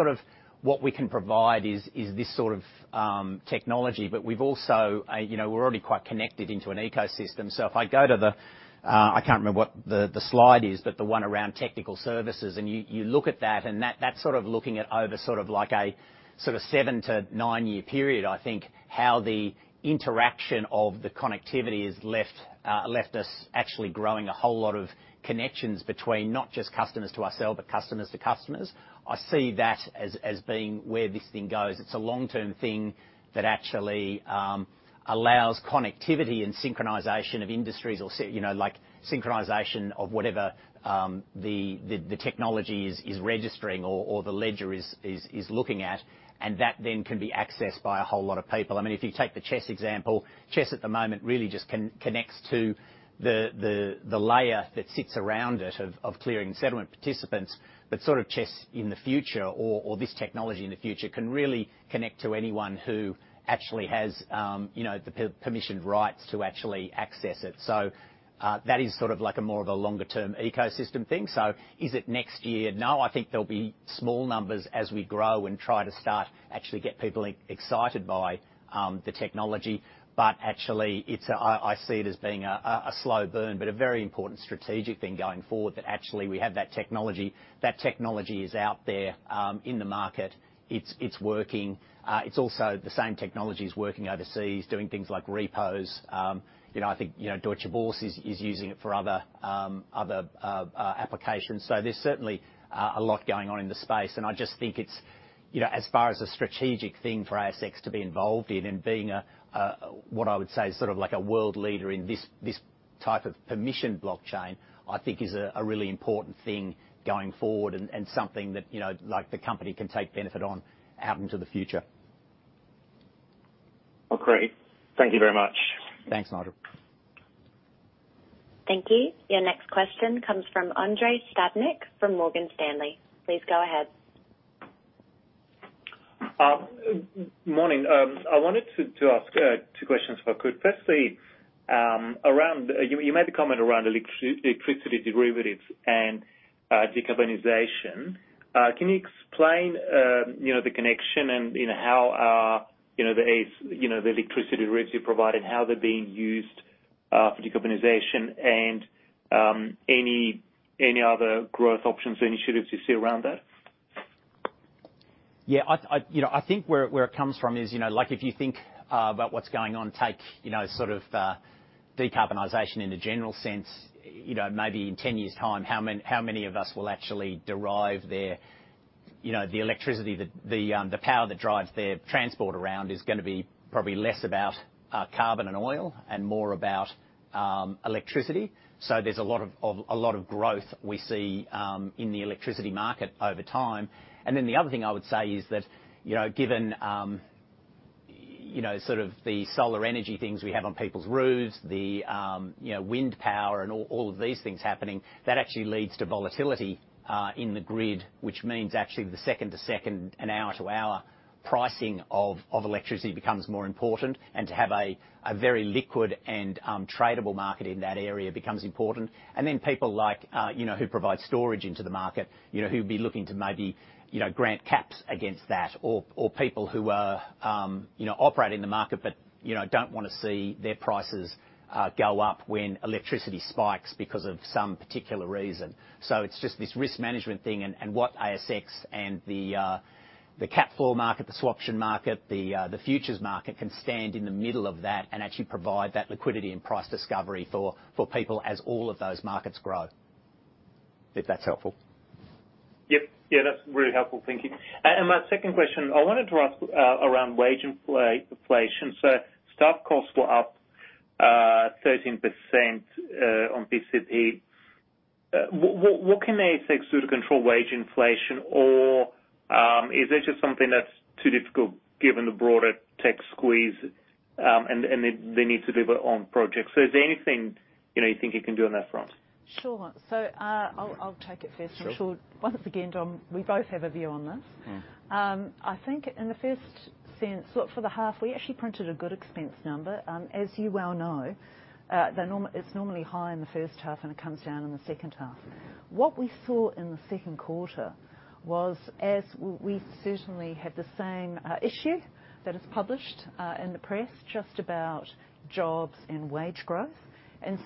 A: what we can provide, this sort of technology. But we've also, you know, we're already quite connected into an ecosystem. If I go to the slide, but the one around technical services, and you look at that, and that's sort of looking at over sort of like a 7-9-year period. I think how the interaction of the connectivity has left us actually growing a whole lot of connections between not just customers to ourselves, but customers to customers. I see that as being where this thing goes. It's a long-term thing that actually allows connectivity and synchronization of industries or you know, like synchronization of whatever the technology is registering or the ledger is looking at, and that then can be accessed by a whole lot of people. I mean, if you take the CHESS example, CHESS at the moment really just connects to the layer that sits around it of clearing and settlement participants. Sort of CHESS in the future or this technology in the future can really connect to anyone who actually has you know the permissioned rights to actually access it. That is sort of like more of a longer term ecosystem thing. Is it next year? No, I think there'll be small numbers as we grow and try to actually get people excited by the technology. Actually, it's a slow burn, but a very important strategic thing going forward that actually we have that technology. That technology is out there in the market. It's working. It's also the same technology is working overseas, doing things like repos. You know, I think, you know, Deutsche Börse is using it for other applications. There's certainly a lot going on in the space, and I just think it's, you know, as far as a strategic thing for ASX to be involved in and being a what I would say is sort of like a world leader in this type of permissioned blockchain, I think is a really important thing going forward and something that, you know, like, the company can take benefit on out into the future.
F: Oh, great. Thank you very much.
A: Thanks, Nigel.
C: Thank you. Your next question comes from Andrei Stadnik from Morgan Stanley. Please go ahead.
G: Morning. I wanted to ask two questions if I could. Firstly, you made the comment around electricity derivatives and decarbonization. Can you explain, you know, the connection and, you know, how the electricity derivatives you provided are being used for decarbonization, and any other growth options or initiatives you see around that?
A: Yeah. I think where it comes from is, you know, like, if you think about what's going on, take, you know, sort of, decarbonization in a general sense, you know, maybe in 10 years' time, how many of us will actually derive their, you know, the electricity, the power that drives their transport around is gonna be probably less about carbon and oil and more about electricity. There's a lot of growth we see in the electricity market over time. The other thing I would say is that, you know, given, you know, sort of the solar energy things we have on people's roofs, the, you know, wind power and all of these things happening, that actually leads to volatility in the grid, which means actually the second to second and hour to hour pricing of electricity becomes more important. To have a very liquid and tradable market in that area becomes important. People like, you know, who provide storage into the market, you know, who'd be looking to maybe, you know, grant caps against that, or people who are, you know, operate in the market but, you know, don't wanna see their prices go up when electricity spikes because of some particular reason. It's just this risk management thing and what ASX and the cap floor market, the swaption market, the futures market can stand in the middle of that and actually provide that liquidity and price discovery for people as all of those markets grow. If that's helpful.
G: Yep. Yeah, that's really helpful. Thank you. My second question, I wanted to ask around wage inflation. Staff costs were up 13% on PCP. What can ASX do to control wage inflation, or is it just something that's too difficult given the broader tech squeeze and the need to deliver on projects? Is there anything, you know, you think you can do on that front?
B: Sure. I'll take it first.
A: Sure.
B: I'm sure once again, Dom, we both have a view on this. I think in the first sense. Look, for the half, we actually printed a good expense number. As you well know, it's normally high in the first half, and it comes down in the second half. What we saw in the second quarter was, as we certainly had the same issue that is published in the press, just about jobs and wage growth.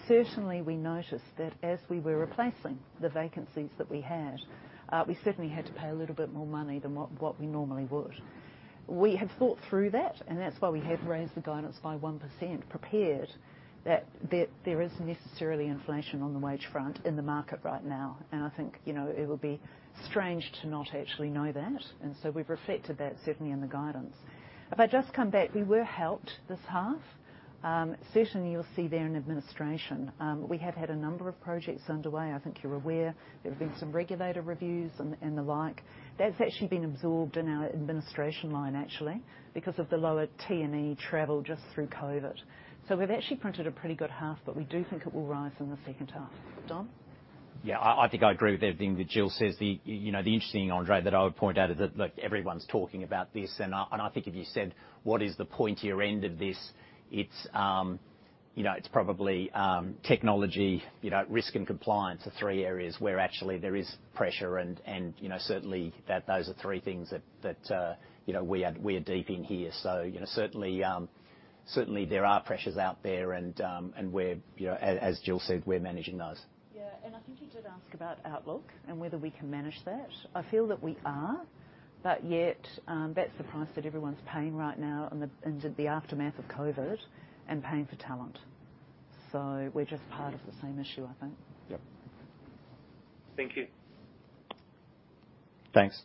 B: Certainly we noticed that as we were replacing the vacancies that we had, we certainly had to pay a little bit more money than what we normally would. We have thought through that, and that's why we have raised the guidance by 1%, prepared that there is necessarily inflation on the wage front in the market right now. I think, you know, it would be strange to not actually know that. We've reflected that certainly in the guidance. If I just come back, we were helped this half. Certainly you'll see there in administration, we have had a number of projects underway. I think you're aware there have been some regulator reviews and the like. That's actually been absorbed in our administration line actually, because of the lower T&E travel just through COVID. We've actually printed a pretty good half, but we do think it will rise in the second half. Dom?
A: Yeah. I think I agree with everything that Gill says. You know, the interesting, Andrei, that I would point out is that, look, everyone's talking about this, and I think if you said, what is the pointier end of this, it's you know, it's probably technology, you know, risk and compliance are three areas where actually there is pressure and, you know, certainly those are three things that you know, we are deep in here. You know, certainly there are pressures out there and we're, you know, as Gill said, we're managing those.
B: I think you did ask about outlook and whether we can manage that. I feel that we are, but yet, that's the price that everyone's paying right now into the aftermath of COVID and paying for talent. We're just part of the same issue, I think.
A: Yep.
G: Thank you.
A: Thanks.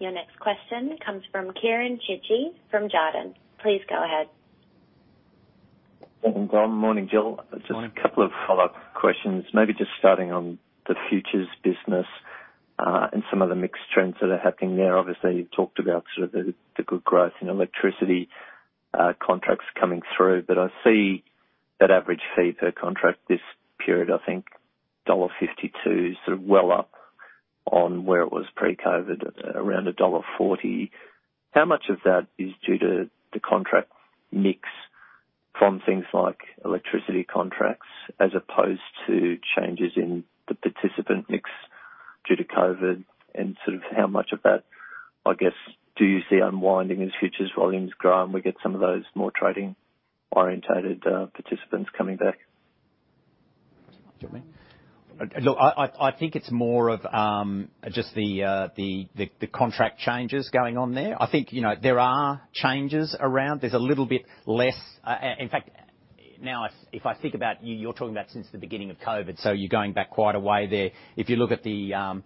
C: Your next question comes from Kieran Chidgey from Jarden. Please go ahead.
H: Morning, Gill.
A: Morning.
H: Just a couple of follow-up questions. Maybe just starting on the futures business, and some of the mixed trends that are happening there. Obviously you've talked about sort of the good growth in electricity contracts coming through, but I see that average fee per contract this period, I think dollar 1.52, sort of well up on where it was pre-COVID at around dollar 1.40. How much of that is due to the contract mix from things like electricity contracts as opposed to changes in the participant mix due to COVID, and sort of how much of that, I guess, do you see unwinding as futures volumes grow and we get some of those more trading-oriented participants coming back?
A: Do you want me? Look, I think it's more of just the contract changes going on there. I think, you know, there are changes around. There's a little bit less. In fact, now if I think about it, you're talking about since the beginning of COVID, so you're going back quite a way there. If you look at the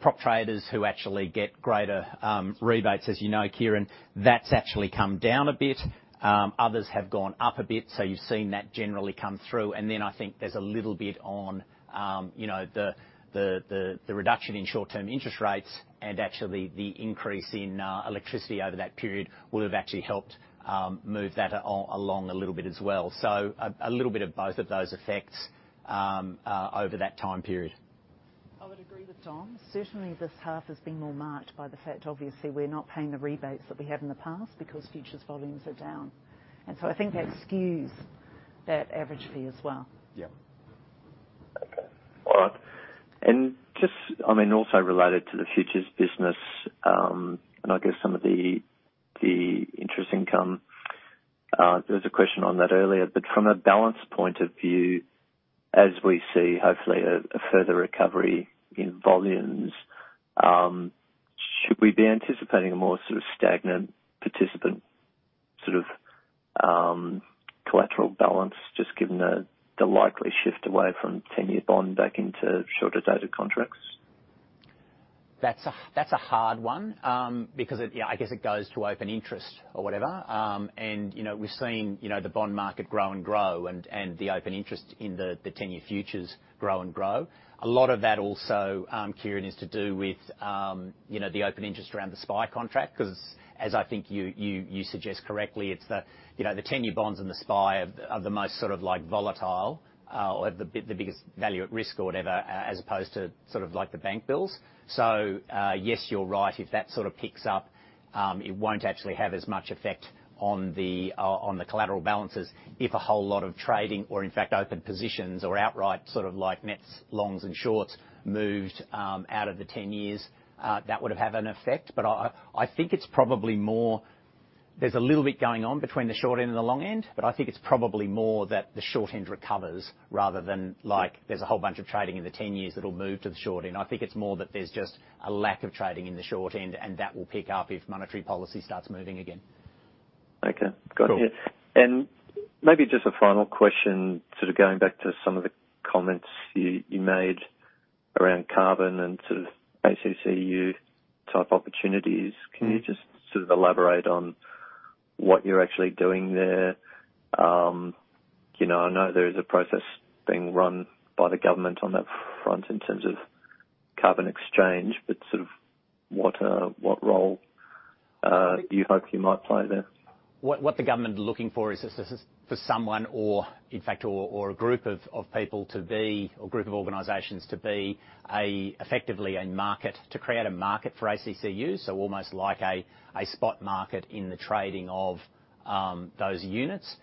A: prop traders who actually get greater rebates, as you know, Kieran, that's actually come down a bit. Others have gone up a bit, so you've seen that generally come through. Then I think there's a little bit on, you know, the reduction in short-term interest rates and actually the increase in volatility over that period would have actually helped move that along a little bit as well. A little bit of both of those effects over that time period.
B: I would agree with Dom. Certainly, this half has been more marked by the fact, obviously, we're not paying the rebates that we had in the past because futures volumes are down. I think that skews that average fee as well.
A: Yeah.
H: Okay. All right. Just, I mean, also related to the futures business, and I guess some of the interest income, there was a question on that earlier. From a balance point of view, as we see, hopefully a further recovery in volumes, should we be anticipating a more sort of stagnant participant, sort of, collateral balance, just given the likely shift away from ten-year bond back into shorter dated contracts?
A: That's a hard one because it goes to open interest or whatever. Yeah, I guess it goes to open interest or whatever. You know, we've seen you know the bond market grow and the open interest in the ten-year futures grow. A lot of that also, Kieran, is to do with you know the open interest around the SPI contract because as I think you suggest correctly, it's you know the ten-year bonds and the SPI are the most sort of like volatile or the biggest value at risk or whatever, as opposed to sort of like the bank bills. Yes, you're right. If that sort of picks up, it won't actually have as much effect on the collateral balances. If a whole lot of trading or in fact open positions or outright sort of like nets, longs and shorts moved out of the 10 years, that would have had an effect. I think it's probably more. There's a little bit going on between the short end and the long end, but I think it's probably more that the short end recovers rather than like there's a whole bunch of trading in the 10 years that'll move to the short end. I think it's more that there's just a lack of trading in the short end, and that will pick up if monetary policy starts moving again.
H: Okay. Got it.
A: Cool.
H: Maybe just a final question, sort of going back to some of the comments you made around carbon and sort of ACCU type opportunities. Can you just sort of elaborate on what you're actually doing there? You know, I know there is a process being run by the government on that front in terms of carbon exchange, but sort of what role do you hope you might play there?
A: What the government is looking for is for someone or in fact a group of people to be or group of organizations to be effectively a market to create a market for ACCU. So almost like a spot market in the trading of those units.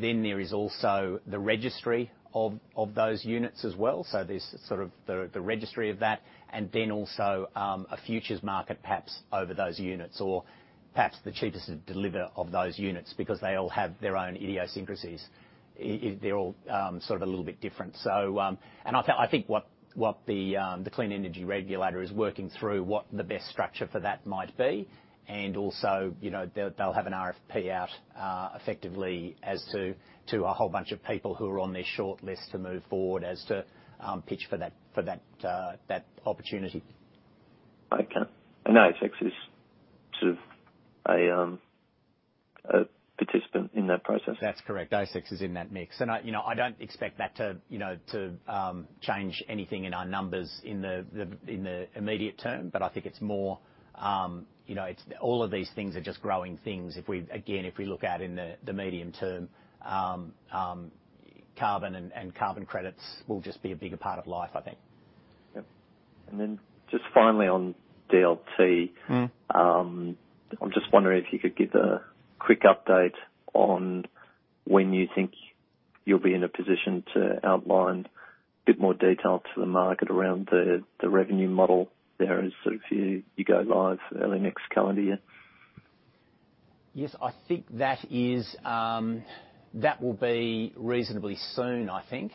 A: Then there is also the registry of those units as well. So there's sort of the registry of that, and then also a futures market perhaps over those units, or perhaps the cheapest to deliver of those units because they all have their own idiosyncrasies. They're all sort of a little bit different. I think what the Clean Energy Regulator is working through what the best structure for that might be, and also, you know, they'll have an RFP out, effectively as to a whole bunch of people who are on their short list to move forward as to pitch for that opportunity.
H: Okay. ASX is sort of a participant in that process?
A: That's correct. ASX is in that mix. I, you know, don't expect that to, you know, change anything in our numbers in the immediate term. I think it's more, you know. All of these things are just growing things. If we look out in the medium term, carbon and carbon credits will just be a bigger part of life, I think.
H: Yep. Just finally on DLT. I'm just wondering if you could give a quick update on when you think you'll be in a position to outline a bit more detail to the market around the revenue model there as sort of you go live early next calendar year.
A: Yes, I think that will be reasonably soon, I think.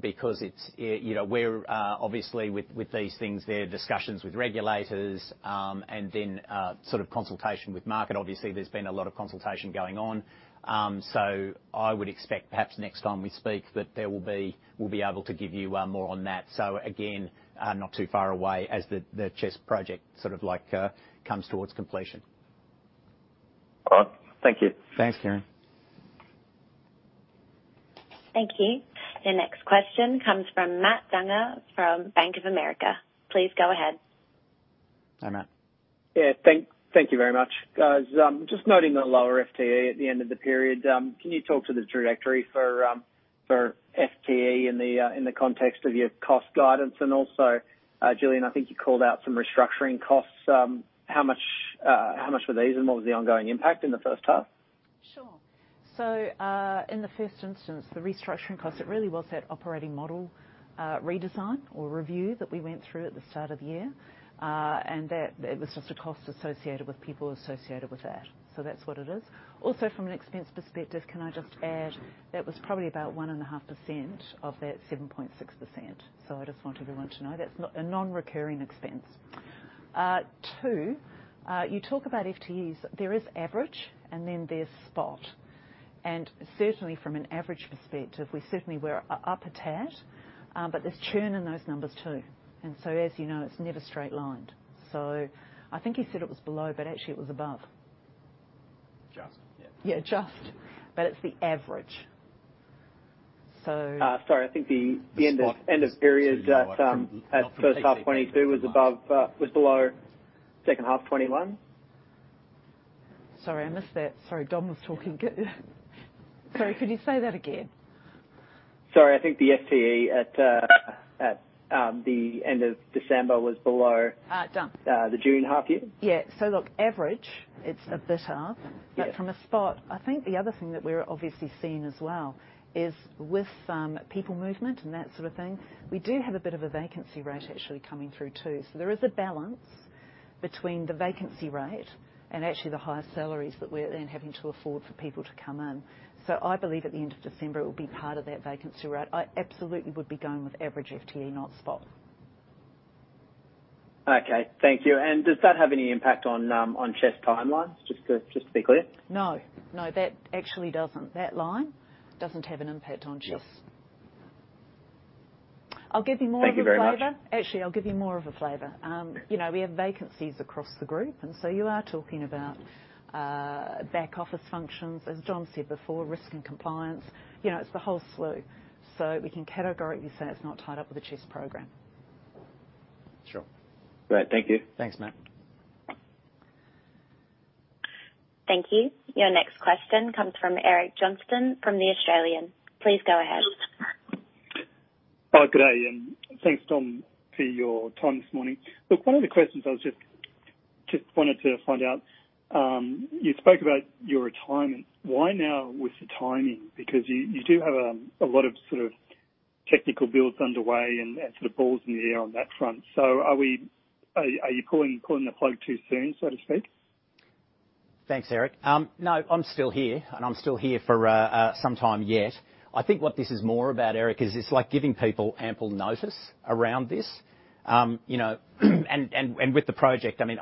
A: Because it's you know, we're obviously with these things, there are discussions with regulators, and then sort of consultation with market. Obviously, there's been a lot of consultation going on. I would expect perhaps next time we speak that there will be, we'll be able to give you more on that. Again, not too far away as the CHESS project sort of like comes towards completion.
H: All right. Thank you.
A: Thanks, Kieran.
B: Thank you. The next question comes from Matt Dunger from Bank of America. Please go ahead.
A: Hi, Matt.
I: Thank you very much. Guys, just noting the lower FTE at the end of the period, can you talk to the trajectory for FTE in the context of your cost guidance? Also, Gillian, I think you called out some restructuring costs. How much were these, and what was the ongoing impact in the first half?
B: Sure. In the first instance, the restructuring cost, it really was that operating model redesign or review that we went through at the start of the year. That it was just a cost associated with people associated with that. That's what it is. Also, from an expense perspective, can I just add, that was probably about 1.5% of that 7.6%. I just want everyone to know that's a non-recurring expense. Two, you talk about FTEs. There is average, and then there's spot. Certainly from an average perspective, we certainly were up a tad, but there's churn in those numbers, too. As you know, it's never straight-lined. I think you said it was below, but actually it was above.
I: Just. Yeah.
B: Yeah, just. It's the average.
I: Sorry. I think the end of period.
B: The spot
I: at first half 2022 was below second half 2021.
B: Sorry, I missed that. Sorry, Dom was talking. Sorry, could you say that again?
I: Sorry. I think the FTE at the end of December was below.
B: Done.
I: the June half year.
B: Yeah. Look, average, it's a bit up.
I: Yeah.
B: From a spot, I think the other thing that we're obviously seeing as well is with some people movement and that sort of thing, we do have a bit of a vacancy rate actually coming through, too. There is a balance between the vacancy rate and actually the higher salaries that we're then having to afford for people to come in. I believe at the end of December it will be part of that vacancy rate. I absolutely would be going with average FTE, not spot.
I: Okay. Thank you. Does that have any impact on CHESS timelines? Just to be clear.
B: No. No, that actually doesn't. That line doesn't have an impact on CHESS.
I: Yep.
B: I'll give you more of a flavor.
I: Thank you very much.
B: Actually, I'll give you more of a flavor. You know, we have vacancies across the group, and so you are talking about back office functions, as Dom said before, risk and compliance. You know, it's the whole slew. We can categorically say it's not tied up with the CHESS program.
I: Sure. Great. Thank you.
A: Thanks, Matt.
C: Thank you. Your next question comes from Eric Johnston from The Australian. Please go ahead.
J: Hi. Good day, and thanks Dom for your time this morning. Look, one of the questions I just wanted to find out, you spoke about your retirement. Why now with the timing? Because you do have a lot of sort of technical builds underway and sort of balls in the air on that front. Are you pulling the plug too soon, so to speak?
A: Thanks, Eric. No, I'm still here for some time yet. I think what this is more about, Eric, is it's like giving people ample notice around this. You know, with the project, I mean,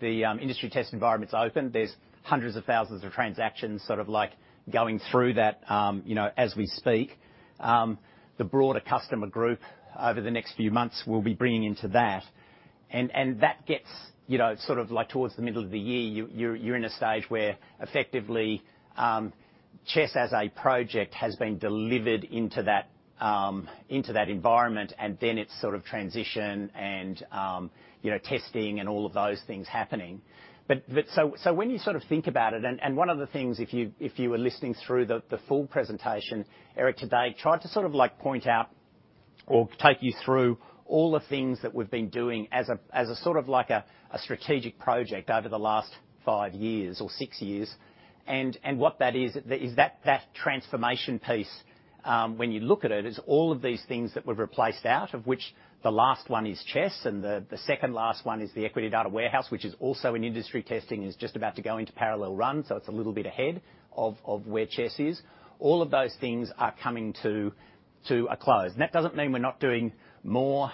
A: the industry test environment's open. There's hundreds of thousands of transactions sort of like going through that, you know, as we speak. The broader customer group over the next few months will be bringing into that. That gets, you know, sort of like towards the middle of the year, you're in a stage where effectively, CHESS as a project has been delivered into that environment, and then it's sort of transition and, you know, testing and all of those things happening. When you sort of think about it, and one of the things, if you were listening through the full presentation, Eric, today, tried to sort of like point out or take you through all the things that we've been doing as a sort of like a strategic project over the last five years or six years. What that is that transformation piece, when you look at it, is all of these things that we've replaced out, of which the last one is CHESS, and the second last one is the equity data warehouse, which is also in industry testing, is just about to go into parallel run. It's a little bit ahead of where CHESS is. All of those things are coming to a close. That doesn't mean we're not doing more,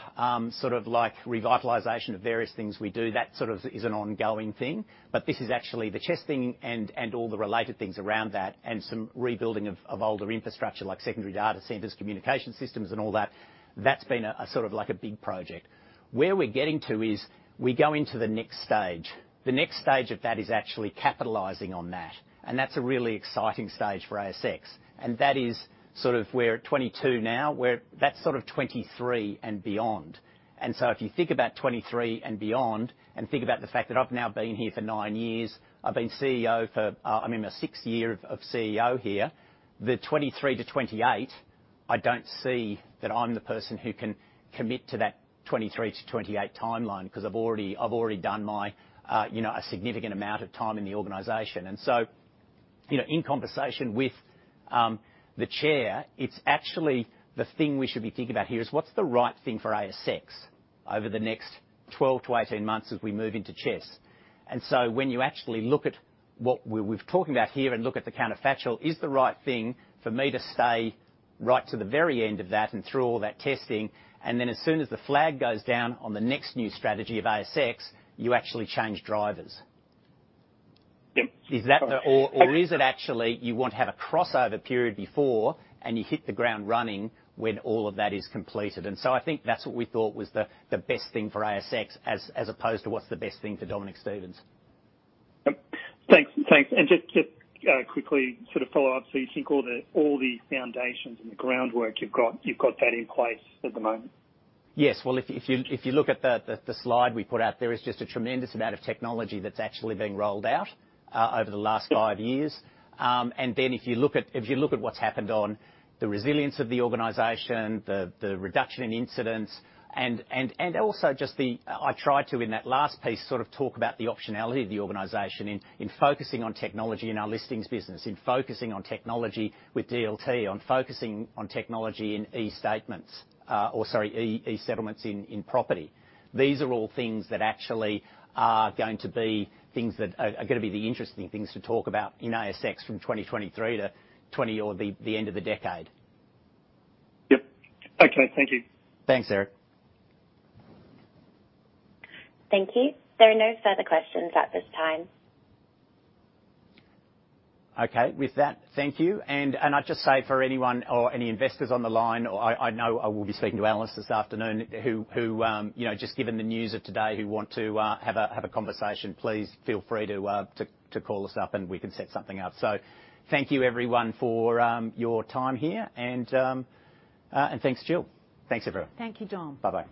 A: sort of like revitalization of various things we do. That sort of is an ongoing thing. This is actually the CHESS thing and all the related things around that and some rebuilding of older infrastructure like secondary data centers, communication systems and all that. That's been a sort of like a big project. Where we're getting to is we go into the next stage. The next stage of that is actually capitalizing on that, and that's a really exciting stage for ASX. That is sort of we're at 2022 now. That's sort of 2023 and beyond. If you think about 2023 and beyond, and think about the fact that I've now been here for nine years, I've been CEO for, I'm in my sixth year of CEO here, the 2023 to 2028, I don't see that I'm the person who can commit to that 2023 to 2028 timeline, 'cause I've already done my, you know, a significant amount of time in the organization. You know, in conversation with the chair, it's actually the thing we should be thinking about here is what's the right thing for ASX over the next 12 to 18 months as we move into CHESS. When you actually look at what we've been talking about here and look at the counterfactual, is the right thing for me to stay right to the very end of that and through all that testing, and then as soon as the flag goes down on the next new strategy of ASX, you actually change drivers. Is that the
J: Sorry.
A: Is it actually you want to have a crossover period before and you hit the ground running when all of that is completed? I think that's what we thought was the best thing for ASX as opposed to what's the best thing for Dominic Stevens.
J: Yep. Thanks. Just quickly sort of follow up, so you think all the foundations and the groundwork, you've got that in place at the moment?
A: Yes. Well, if you look at the slide we put out, there is just a tremendous amount of technology that's actually been rolled out over the last five years. If you look at what's happened to the resilience of the organization, the reduction in incidents and also. I tried to, in that last piece, sort of talk about the optionality of the organization in focusing on technology in our listings business, in focusing on technology with DLT, on focusing on technology in e-settlements in property. These are all things that actually are gonna be the interesting things to talk about in ASX from 2023 to 2030 or the end of the decade.
J: Yep. Okay. Thank you.
A: Thanks, Eric.
C: Thank you. There are no further questions at this time.
A: Okay. With that, thank you. I'd just say for anyone or any investors on the line, or I know I will be speaking to analysts this afternoon who you know, just given the news of today, who want to call us up and we can set something up. Thank you everyone for your time here and thanks, Gill. Thanks, everyone.
B: Thank you, Dom.
A: Bye-bye.